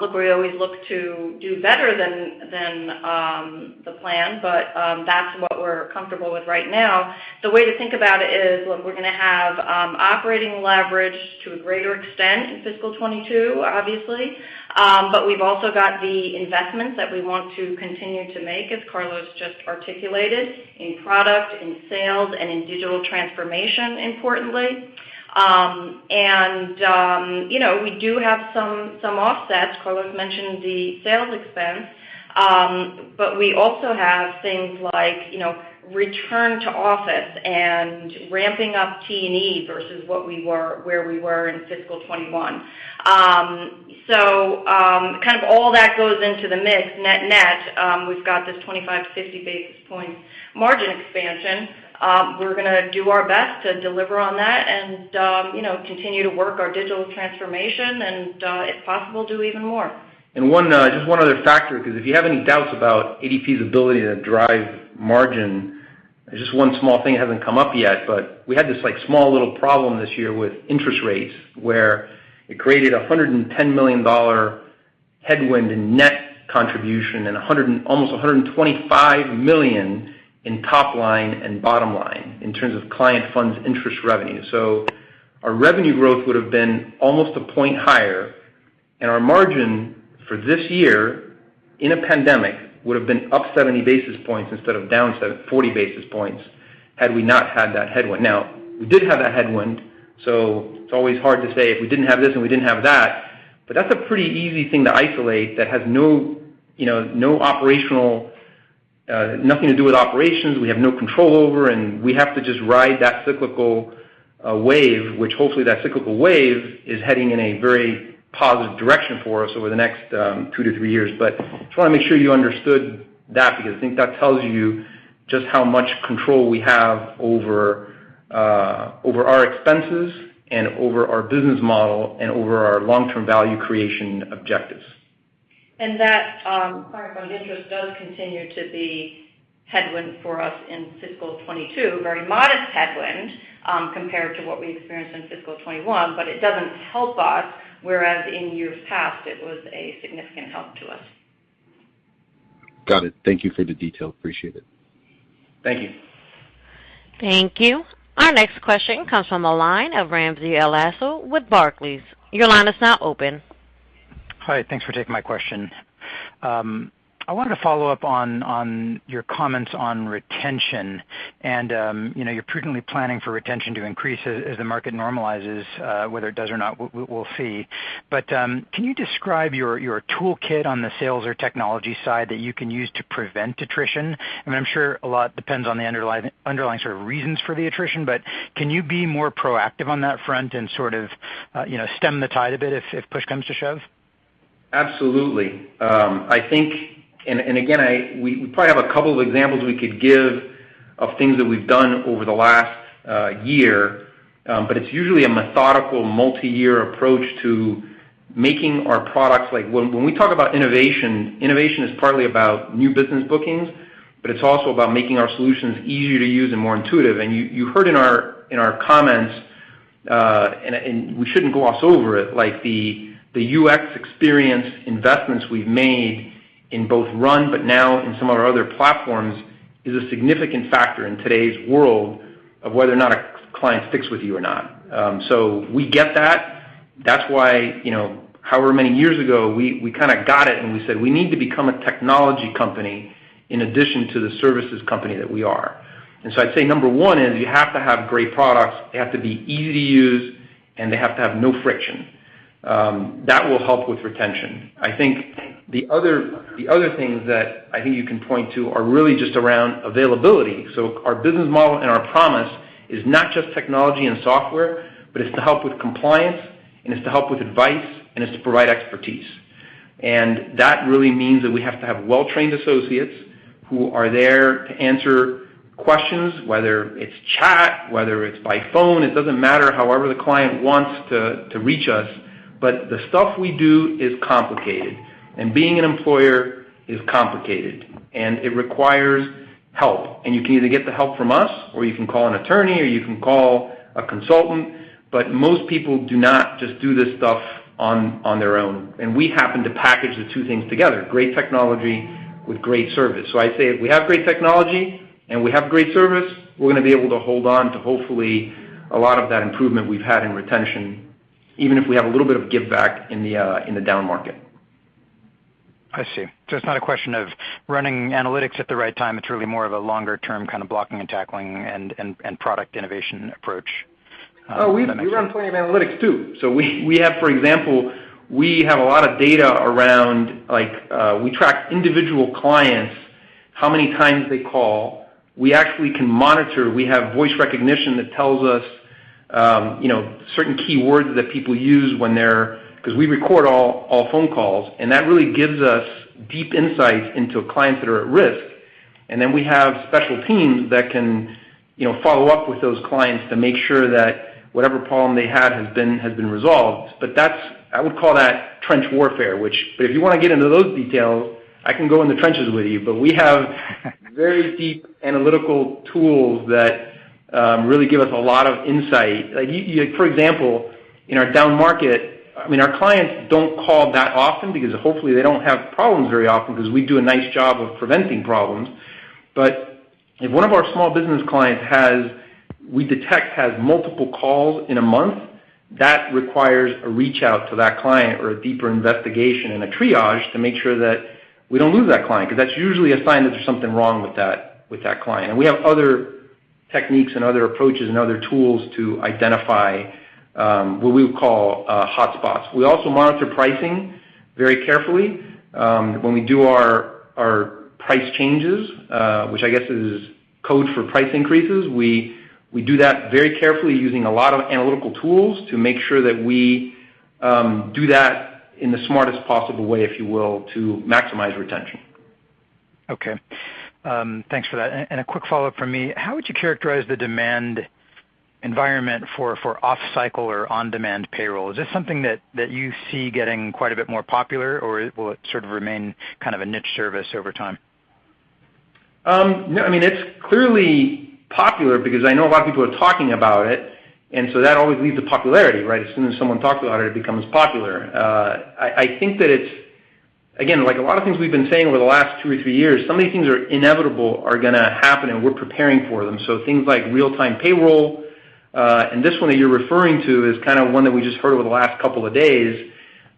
Look, we always look to do better than the plan, but that's what we're comfortable with right now. The way to think about it is, look, we're going to have operating leverage to a greater extent in fiscal year 2022, obviously. We've also got the investments that we want to continue to make, as Carlos just articulated, in product, in sales, and in digital transformation, importantly. We do have some offsets. Carlos mentioned the sales expense. We also have things like return to office and ramping up T&E versus where we were in fiscal 2021. All that goes into the mix. Net-net, we've got this 25-50 basis point margin expansion. We're going to do our best to deliver on that and continue to work our digital transformation, and if possible, do even more. Just one other factor, because if you have any doubts about ADP's ability to drive margin, it's just one small thing that hasn't come up yet, but we had this small little problem this year with interest rates where it created $110 million headwind in net contribution and almost $125 million in top line and bottom line in terms of client funds interest revenue. Our revenue growth would have been almost 1 point higher, and our margin for this year in a pandemic would have been up 70 basis points instead of down 40 basis points had we not had that headwind. Now, we did have that headwind, so it's always hard to say if we didn't have this and we didn't have that. That's a pretty easy thing to isolate that has nothing to do with operations, we have no control over, and we have to just ride that cyclical wave, which hopefully that cyclical wave is heading in a very positive direction for us over the next two to three years. Just want to make sure you understood that, because I think that tells you just how much control we have over our expenses and over our business model and over our long-term value creation objectives. That client funds interest does continue to be headwind for us in fiscal 2022. Very modest headwind compared to what we experienced in fiscal 2021. It doesn't help us, whereas in years past, it was a significant help to us. Got it. Thank you for the detail. Appreciate it. Thank you. Thank you. Our next question comes from the line of Ramsey El-Assal with Barclays. Your line is now open. Hi. Thanks for taking my question. I wanted to follow up on your comments on retention, and you're prudently planning for retention to increase as the market normalizes. Whether it does or not, we'll see. Can you describe your toolkit on the sales or technology side that you can use to prevent attrition? I mean, I'm sure a lot depends on the underlying sort of reasons for the attrition, but can you be more proactive on that front and sort of stem the tide a bit if push comes to shove? Absolutely. Again, we probably have a couple of examples we could give of things that we've done over the last year. It's usually a methodical, multi-year approach to making our products. When we talk about innovation is partly about new business bookings, it's also about making our solutions easier to use and more intuitive. You heard in our comments, we shouldn't gloss over it, the UX experience investments we've made in both RUN, now in some of our other platforms, is a significant factor in today's world of whether or not a client sticks with you or not. We get that. That's why however many years ago, we kind of got it and we said, "We need to become a technology company in addition to the services company that we are." I'd say number one is you have to have great products, they have to be easy to use, and they have to have no friction. That will help with retention. I think the other things that I think you can point to are really just around availability. Our business model and our promise is not just technology and software, but it's to help with compliance, and it's to help with advice, and it's to provide expertise. That really means that we have to have well-trained associates who are there to answer questions, whether it's chat, whether it's by phone, it doesn't matter, however the client wants to reach us. The stuff we do is complicated, and being an employer is complicated, and it requires help. You can either get the help from us, or you can call an attorney, or you can call a consultant. Most people do not just do this stuff on their own, and we happen to package the two things together, great technology with great service. I say if we have great technology and we have great service, we're going to be able to hold on to hopefully a lot of that improvement we've had in retention, even if we have a little bit of give back in the down market. I see. It's not a question of running analytics at the right time. It's really more of a longer term kind of blocking and tackling and product innovation approach. We run plenty of analytics, too. We have for example, we have a lot of data around, like we track individual clients, how many times they call. We actually can monitor. We have voice recognition that tells us certain keywords that people use when they're, because we record all phone calls. That really gives us deep insights into clients that are at risk. Then we have special teams that can follow up with those clients to make sure that whatever problem they had has been resolved. I would call that trench warfare. If you want to get into those details, I can go in the trenches with you. We have very deep analytical tools that really give us a lot of insight. For example, in our down market, our clients don't call that often because hopefully they don't have problems very often because we do a nice job of preventing problems. If one of our small business clients we detect has multiple calls in a month, that requires a reach out to that client or a deeper investigation and a triage to make sure that we don't lose that client, because that's usually a sign that there's something wrong with that client. We have other techniques and other approaches and other tools to identify what we would call hotspots. We also monitor pricing very carefully. When we do our price changes, which I guess is code for price increases, we do that very carefully using a lot of analytical tools to make sure that we do that in the smartest possible way, if you will, to maximize retention. Okay. Thanks for that. A quick follow-up from me. How would you characterize the demand environment for off-cycle or on-demand payroll? Is this something that you see getting quite a bit more popular, or will it sort of remain kind of a niche service over time? It's clearly popular because I know a lot of people are talking about it, that always leads to popularity, right? As soon as someone talks about it becomes popular. I think that it's, again, like a lot of things we've been saying over the last two or three years, some of these things are inevitable are going to happen, and we're preparing for them. Things like real-time payroll, and this one that you're referring to is kind of one that we just heard over the last couple of days.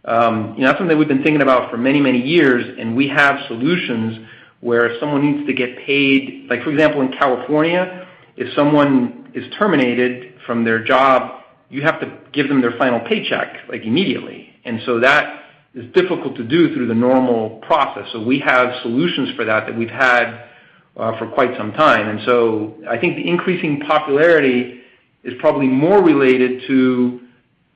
That's something we've been thinking about for many, many years, and we have solutions where if someone needs to get paid. For example, in California, if someone is terminated from their job, you have to give them their final paycheck immediately. That is difficult to do through the normal process. We have solutions for that that we've had for quite some time. I think the increasing popularity is probably more related to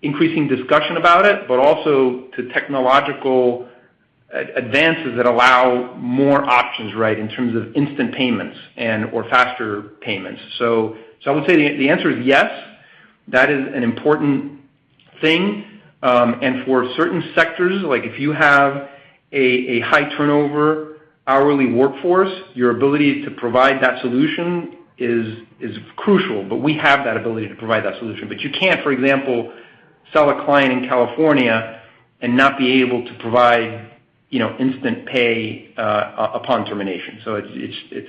increasing discussion about it, but also to technological advances that allow more options, right, in terms of instant payments and/or faster payments. I would say the answer is yes, that is an important thing. For certain sectors, like if you have a high turnover hourly workforce, your ability to provide that solution is crucial. We have that ability to provide that solution. You can't, for example, sell a client in California and not be able to provide instant pay, upon termination.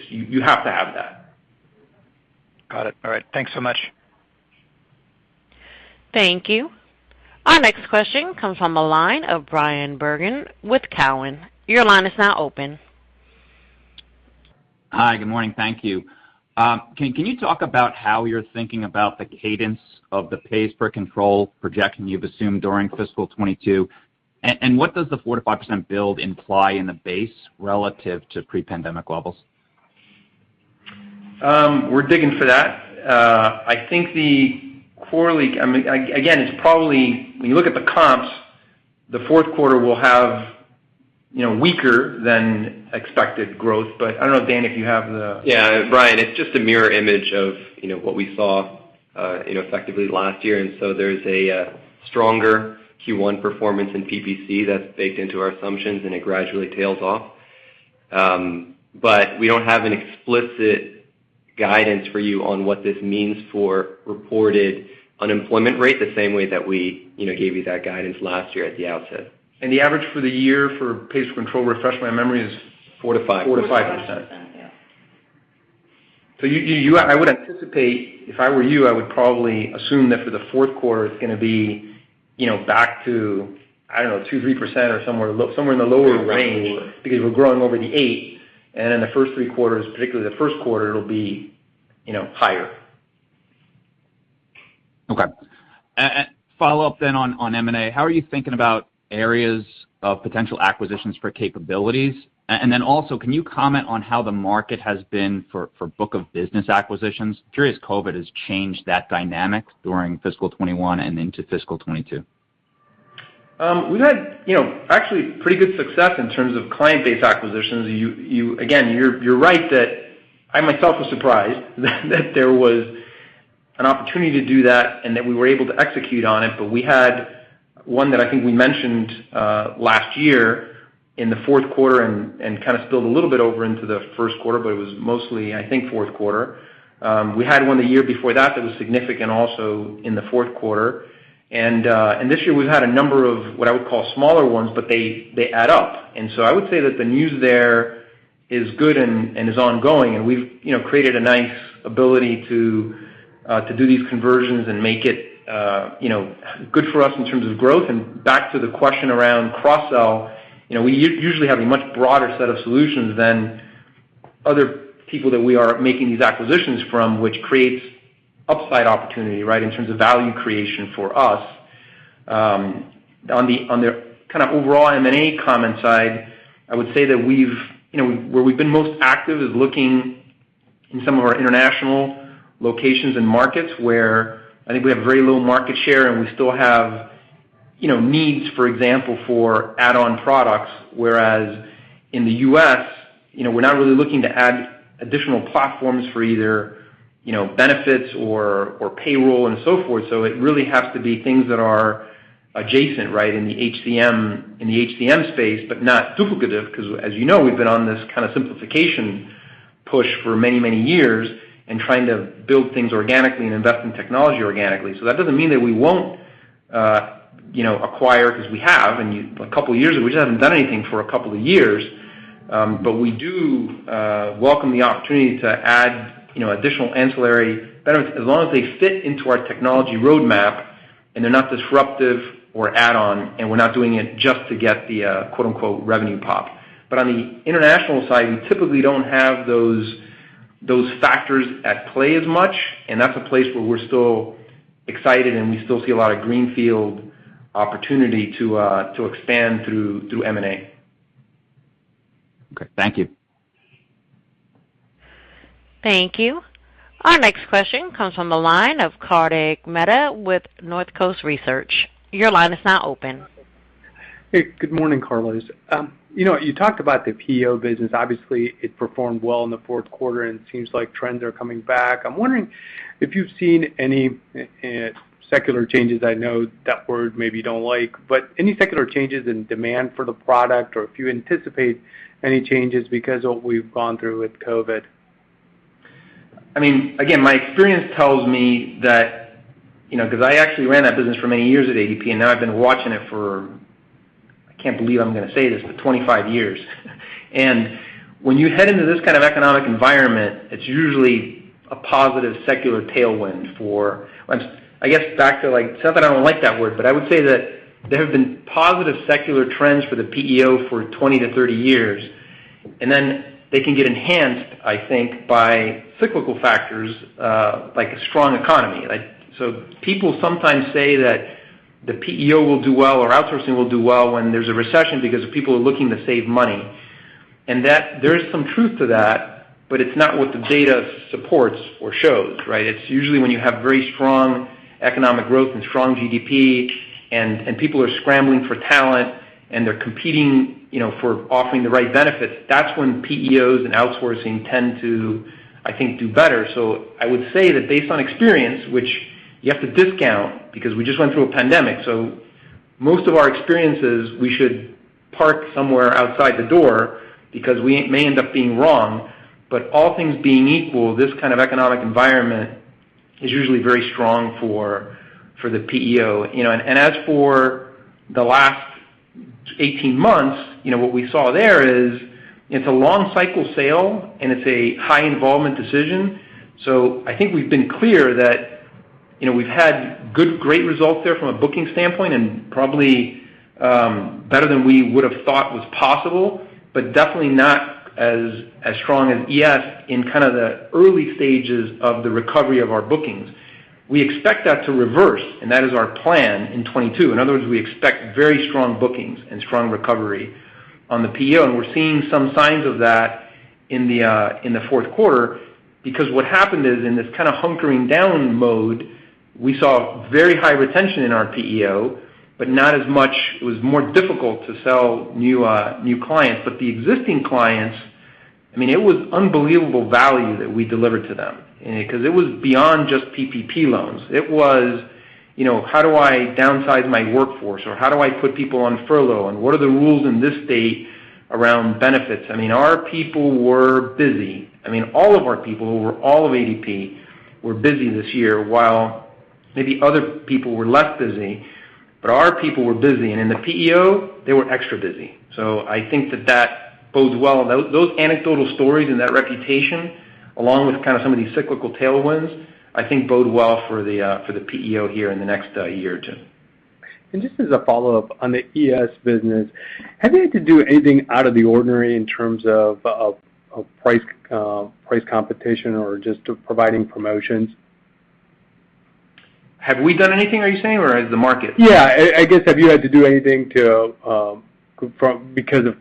You have to have that. Got it. All right. Thanks so much. Thank you. Our next question comes from the line of Bryan Bergin with Cowen. Your line is now open. Hi. Good morning. Thank you. Can you talk about how you're thinking about the cadence of the pays per control projection you've assumed during fiscal year 2022? What does the 4%-5% build imply in the base relative to pre-pandemic levels? We're digging for that. I think the quarterly Again, when you look at the comps, the fourth quarter will have weaker than expected growth. I don't know, Danny, if you have the Yeah. Bryan, it's just a mirror image of what we saw effectively last year. There's a stronger Q1 performance in PPC that's baked into our assumptions and it gradually tails off. We don't have an explicit guidance for you on what this means for reported unemployment rate, the same way that we gave you that guidance last year at the outset. The average for the year for pays per control, refresh my memory, is? 4-5. 4%-5%, yeah. I would anticipate, if I were you, I would probably assume that for the fourth quarter, it's going to be back to, I don't know, 2%-3% or somewhere in the lower range, because we're growing over the 8. The first three quarters, particularly the first quarter, it'll be higher. Okay. A follow-up on M&A. How are you thinking about areas of potential acquisitions for capabilities? Also, can you comment on how the market has been for book of business acquisitions? Curious if COVID has changed that dynamic during fiscal 2021 and into fiscal 2022. We've had actually pretty good success in terms of client base acquisitions. You're right that I myself was surprised that there was an opportunity to do that and that we were able to execute on it. We had one that I think we mentioned, last year in the fourth quarter and kind of spilled a little bit over into the first quarter, but it was mostly, I think, fourth quarter. We had one the year before that was significant also in the fourth quarter. This year we've had a number of what I would call smaller ones, but they add up. I would say that the news there is good and is ongoing, and we've created a nice ability to do these conversions and make it good for us in terms of growth. Back to the question around cross-sell, we usually have a much broader set of solutions than other people that we are making these acquisitions from, which creates upside opportunity, right, in terms of value creation for us. On the kind of overall M&A comment side, I would say that where we've been most active is looking in some of our international locations and markets, where I think we have very little market share and we still have needs, for example, for add-on products. Whereas in the U.S., we're not really looking to add additional platforms for either benefits or payroll and so forth. It really has to be things that are adjacent, right, in the HCM space, but not duplicative, because as you know, we've been on this kind of simplification push for many, many years and trying to build things organically and invest in technology organically. That doesn't mean that we won't acquire, because we have, and a couple of years, we just haven't done anything for a couple of years. We do welcome the opportunity to add additional ancillary benefits as long as they fit into our technology roadmap and they're not disruptive or add on, and we're not doing it just to get the "revenue pop." On the international side, we typically don't have those factors at play as much, and that's a place where we're still excited, and we still see a lot of greenfield opportunity to expand through M&A. Okay. Thank you. Thank you. Our next question comes from the line of Kartik Mehta with Northcoast Research. Your line is now open. Hey, good morning, Carlos. You talked about the PEO business. Obviously, it performed well in the fourth quarter, and it seems like trends are coming back. I'm wondering if you've seen any secular changes. I know that word maybe you don't like, but any secular changes in demand for the product or if you anticipate any changes because of what we've gone through with COVID? Again, my experience tells me that, because I actually ran that business for many years at ADP, and now I've been watching it for, I can't believe I'm going to say this, but 25 years. When you head into this kind of economic environment, it's usually a positive secular tailwind for I guess back to, it's not that I don't like that word, but I would say that there have been positive secular trends for the PEO for 20-30 years, and then they can get enhanced, I think, by cyclical factors, like a strong economy. People sometimes say that the PEO will do well or outsourcing will do well when there's a recession because people are looking to save money. There is some truth to that, but it's not what the data supports or shows, right? It's usually when you have very strong economic growth and strong GDP, and people are scrambling for talent, and they're competing for offering the right benefits. That's when PEOs and outsourcing tend to, I think, do better. I would say that based on experience, which you have to discount because we just went through a pandemic, so most of our experiences, we should park somewhere outside the door because we may end up being wrong, but all things being equal, this kind of economic environment is usually very strong for the PEO. As for the last 18 months, what we saw there is it's a long cycle sale and it's a high involvement decision. I think we've been clear that we've had great results there from a booking standpoint and probably better than we would've thought was possible, but definitely not as strong as ES in the early stages of the recovery of our bookings. We expect that to reverse, and that is our plan in 2022. In other words, we expect very strong bookings and strong recovery on the PEO, and we're seeing some signs of that in the fourth quarter because what happened is, in this hunkering down mode, we saw very high retention in our PEO, but it was more difficult to sell new clients. The existing clients, it was unbelievable value that we delivered to them because it was beyond just PPP loans. It was, how do I downsize my workforce? How do I put people on furlough? What are the rules in this state around benefits? Our people were busy. All of our people, who were all of ADP, were busy this year while maybe other people were less busy, but our people were busy. In the PEO, they were extra busy. I think that that bodes well. Those anecdotal stories and that reputation, along with some of these cyclical tailwinds, I think bode well for the PEO here in the next year or two. Just as a follow-up, on the ES business, have you had to do anything out of the ordinary in terms of price competition or just providing promotions? Have we done anything, are you saying, or has the market? Yeah. I guess, have you had to do anything because of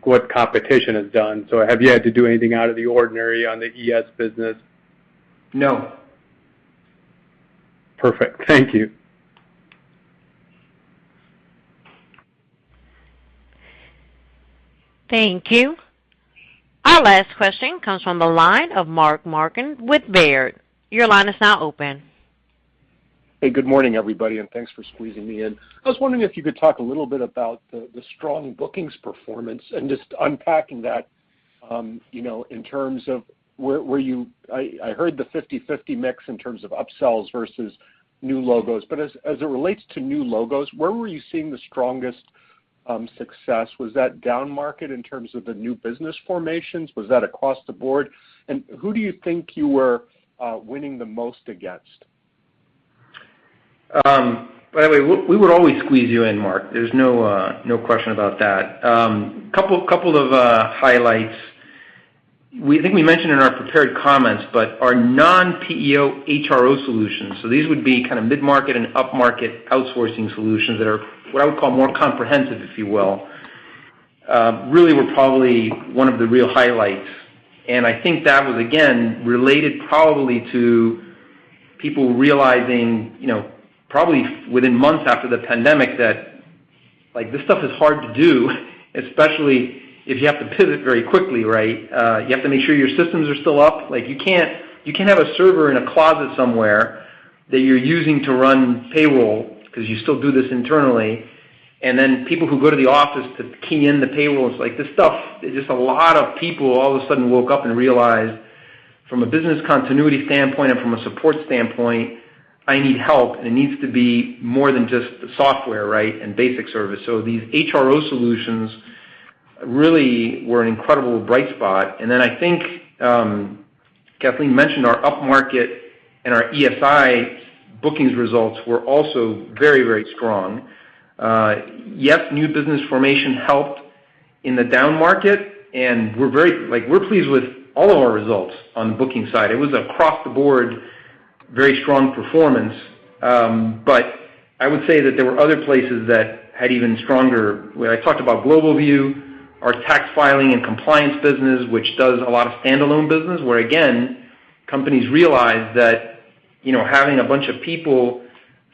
what competition has done? Have you had to do anything out of the ordinary on the ES business? No. Perfect. Thank you. Thank you. Our last question comes from the line of Mark Marcon with Baird. Your line is now open. Good morning, everybody, thanks for squeezing me in. I was wondering if you could talk a little bit about the strong bookings performance and just unpacking that in terms of, I heard the 50/50 mix in terms of upsells versus new logos. As it relates to new logos, where were you seeing the strongest success? Was that downmarket in terms of the new business formations? Was that across the board? Who do you think you were winning the most against? By the way, we would always squeeze you in, Mark. There's no question about that. Couple of highlights. I think we mentioned in our prepared comments, but our non-PEO HRO solutions, so these would be mid-market and upmarket outsourcing solutions that are what I would call more comprehensive, if you will, really were probably one of the real highlights. I think that was, again, related probably to people realizing, probably within months after the pandemic, that this stuff is hard to do, especially if you have to pivot very quickly, right? You have to make sure your systems are still up. You can't have a server in a closet somewhere that you're using to run payroll because you still do this internally, and then people who go to the office to key in the payroll. A lot of people all of a sudden woke up and realized, from a business continuity standpoint and from a support standpoint, I need help, and it needs to be more than just the software, right, and basic service. These HRO solutions really were an incredible bright spot. I think Kathleen mentioned our upmarket and our ESI bookings results were also very strong. Yes, new business formation helped in the downmarket, and we're pleased with all of our results on the booking side. It was across the board very strong performance. I would say that there were other places that had even stronger. I talked about GlobalView, our tax filing and compliance business, which does a lot of standalone business, where again, companies realize that having a bunch of people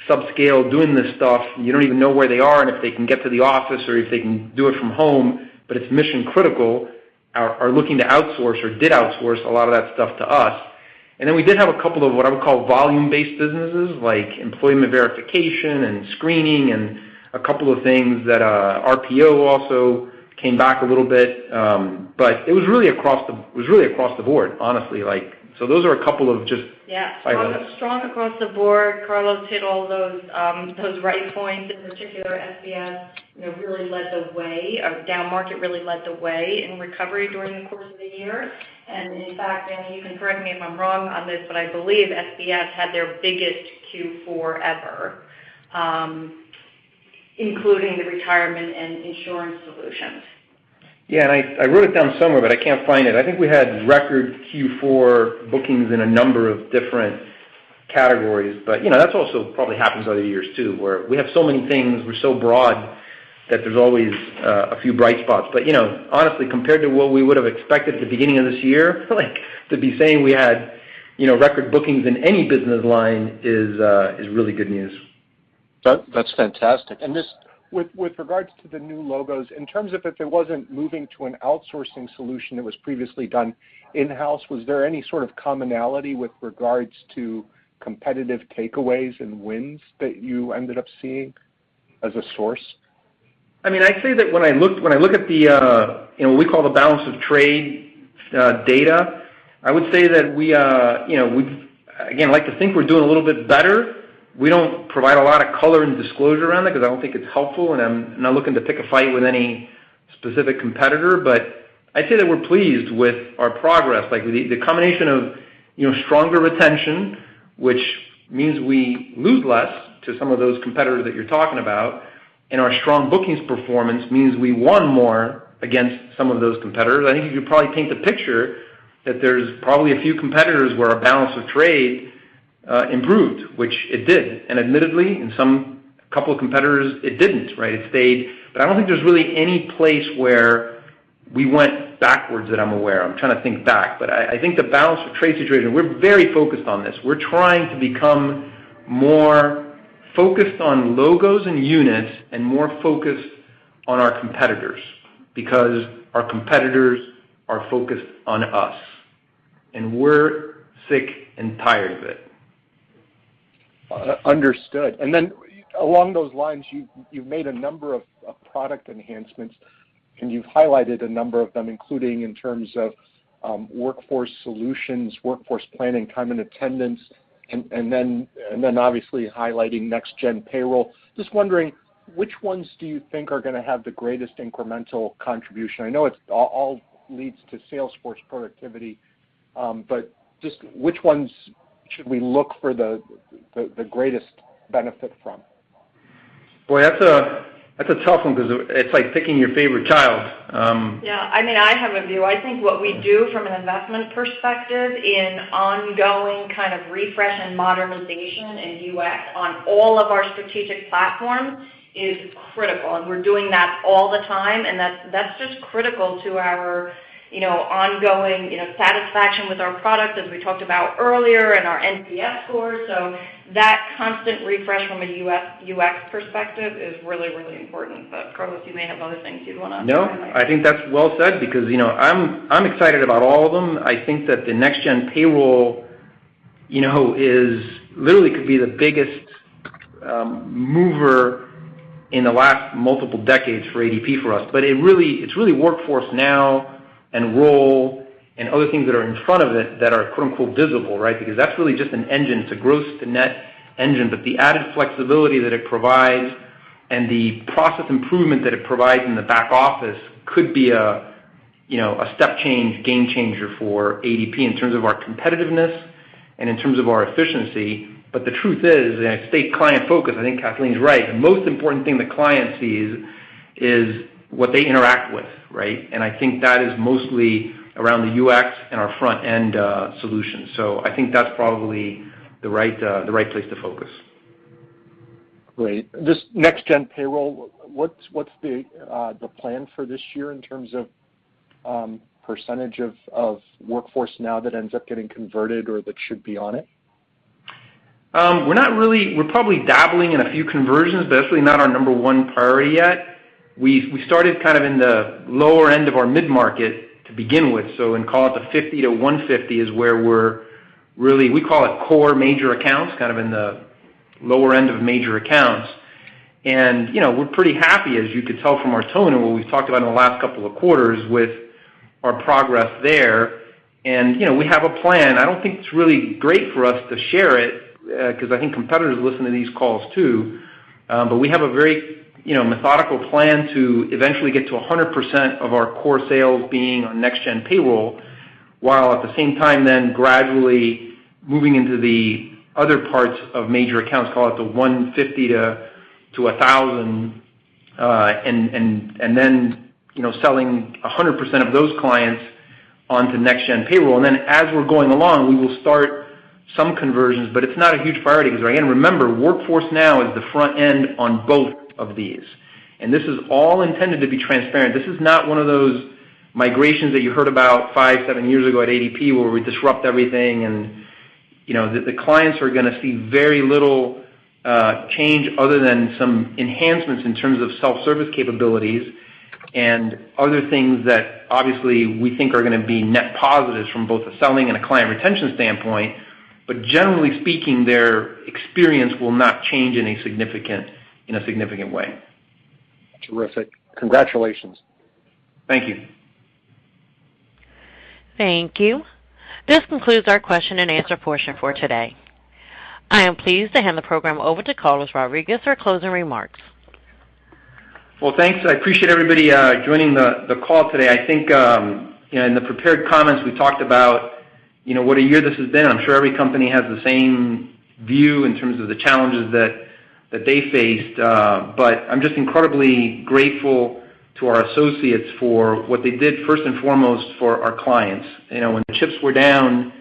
subscale doing this stuff, you don't even know where they are and if they can get to the office or if they can do it from home, but it's mission critical, are looking to outsource or did outsource a lot of that stuff to us. We did have a couple of what I would call volume-based businesses, like employment verification and screening and a couple of things that RPO also came back a little bit. It was really across the board, honestly. Those are a couple of. Yeah. Highlights. Strong across the board. Carlos hit all those right points. In particular, SBS really led the way. Our downmarket really led the way in recovery during the course of the year. In fact, Danny, you can correct me if I'm wrong on this, but I believe SBS had their biggest Q4 ever, including the retirement and insurance solutions. I wrote it down somewhere, but I can't find it. I think we had record Q4 bookings in a number of different categories, but that also probably happens other years too, where we have so many things, we're so broad that there's always a few bright spots. Honestly, compared to what we would've expected at the beginning of this year, to be saying we had record bookings in any business line is really good news. That's fantastic. With regards to the new logos, in terms of if it wasn't moving to an outsourcing solution that was previously done in-house, was there any sort of commonality with regards to competitive takeaways and wins that you ended up seeing as a source? I say that when I look at the, what we call the balance of trade data, I would say that we, again, like to think we're doing a little bit better. We don't provide a lot of color and disclosure around it because I don't think it's helpful, and I'm not looking to pick a fight with any specific competitor. I'd say that we're pleased with our progress. The combination of stronger retention, which means we lose less to some of those competitors that you're talking about, and our strong bookings performance means we won more against some of those competitors. I think you could probably paint the picture that there's probably a few competitors where our balance of trade improved, which it did. Admittedly, in some couple of competitors, it didn't, right. It stayed. I don't think there's really any place where we went backwards that I'm aware of. I'm trying to think back. I think the balance of trade situation, we're very focused on this. We're trying to become more focused on logos and units and more focused on our competitors, because our competitors are focused on us, and we're sick and tired of it. Understood. Along those lines, you've made a number of product enhancements, and you've highlighted a number of them, including in terms of workforce solutions, workforce planning, time and attendance, and obviously highlighting Next Gen Payroll. Just wondering, which ones do you think are going to have the greatest incremental contribution? I know it all leads to sales force productivity, but just which ones should we look for the greatest benefit from? Boy, that's a tough one because it's like picking your favorite child. I have a view. I think what we do from an investment perspective in ongoing refresh and modernization in UX on all of our strategic platforms is critical, and we're doing that all the time, and that's just critical to our ongoing satisfaction with our product, as we talked about earlier, and our NPS scores. That constant refresh from a UX perspective is really, really important. Carlos, you may have other things you'd want to highlight. I think that's well said because I'm excited about all of them. I think that the Next Gen Payroll literally could be the biggest mover in the last multiple decades for ADP for us. It's really Workforce Now and Roll and other things that are in front of it that are visible, right? That's really just an engine. It's a gross to net engine, but the added flexibility that it provides and the process improvement that it provides in the back office could be a step change, game changer for ADP in terms of our competitiveness and in terms of our efficiency. The truth is, and I state client focus, I think Kathleen's right. The most important thing the client sees is what they interact with, right? I think that is mostly around the UX and our front-end solutions. I think that's probably the right place to focus. Great. This Next Gen Payroll, what's the plan for this year in terms of percentage of Workforce Now that ends up getting converted or that should be on it? We're probably dabbling in a few conversions. That's really not our number one priority yet. We started in the lower end of our mid-market to begin with. Call it the 50-150 is where we're really, we call it core major accounts, in the lower end of major accounts. We're pretty happy, as you could tell from our tone and what we've talked about in the last couple of quarters, with our progress there. We have a plan. I don't think it's really great for us to share it, because I think competitors listen to these calls too. We have a very methodical plan to eventually get to 100% of our core sales being on Next Gen Payroll, while at the same time then gradually moving into the other parts of major accounts, call it the 150-1,000, and then selling 100% of those clients onto Next Gen Payroll. As we're going along, we will start some conversions, but it's not a huge priority because again, remember, Workforce Now is the front end on both of these. This is all intended to be transparent. This is not one of those migrations that you heard about five, seven years ago at ADP, where we disrupt everything and the clients are going to see very little change other than some enhancements in terms of self-service capabilities and other things that obviously we think are going to be net positives from both a selling and a client retention standpoint. Generally speaking, their experience will not change in a significant way. Terrific. Congratulations. Thank you. Thank you. This concludes our question and answer portion for today. I am pleased to hand the program over to Carlos Rodriguez for closing remarks. Well, thanks. I appreciate everybody joining the call today. I think in the prepared comments we talked about what a year this has been. I'm sure every company has the same view in terms of the challenges that they faced. I'm just incredibly grateful to our associates for what they did, first and foremost, for our clients. When the chips were down,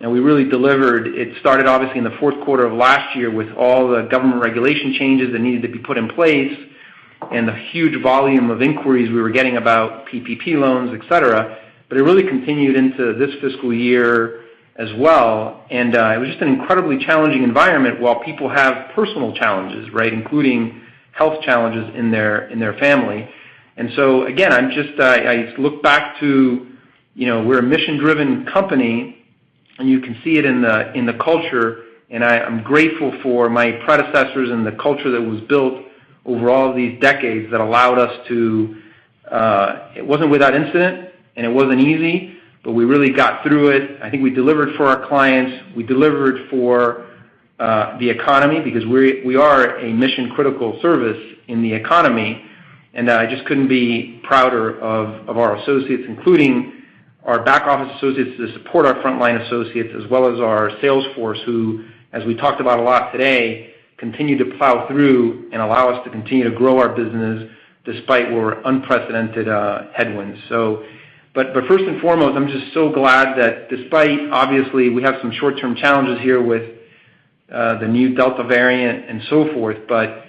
we really delivered. It started obviously in the fourth quarter of last year with all the government regulation changes that needed to be put in place and the huge volume of inquiries we were getting about PPP loans, et cetera. It really continued into this fiscal year as well, it was just an incredibly challenging environment while people have personal challenges, including health challenges in their family. Again, I look back to, we're a mission-driven company. You can see it in the culture. I'm grateful for my predecessors and the culture that was built over all these decades that allowed us to. It wasn't without incident, and it wasn't easy, but we really got through it. I think we delivered for our clients. We delivered for the economy because we are a mission-critical service in the economy. I just couldn't be prouder of our associates, including our back-office associates that support our frontline associates as well as our sales force who, as we talked about a lot today, continue to plow through and allow us to continue to grow our business despite our unprecedented headwinds. First and foremost, I'm just so glad that despite, obviously, we have some short-term challenges here with the new Delta variant and so forth, but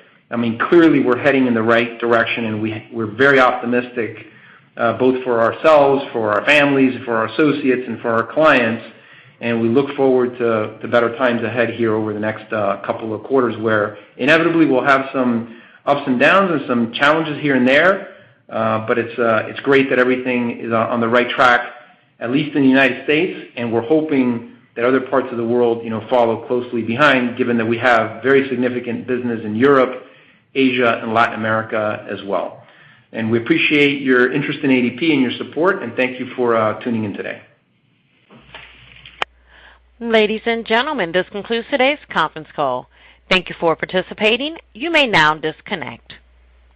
clearly we're heading in the right direction, and we're very optimistic, both for ourselves, for our families, for our associates, and for our clients. We look forward to better times ahead here over the next couple of quarters, where inevitably we'll have some ups and downs and some challenges here and there. It's great that everything is on the right track, at least in the U.S., and we're hoping that other parts of the world follow closely behind, given that we have very significant business in Europe, Asia, and Latin America as well. We appreciate your interest in ADP and your support, and thank you for tuning in today. Ladies and gentlemen, this concludes today's conference call. Thank you for participating. You may now disconnect.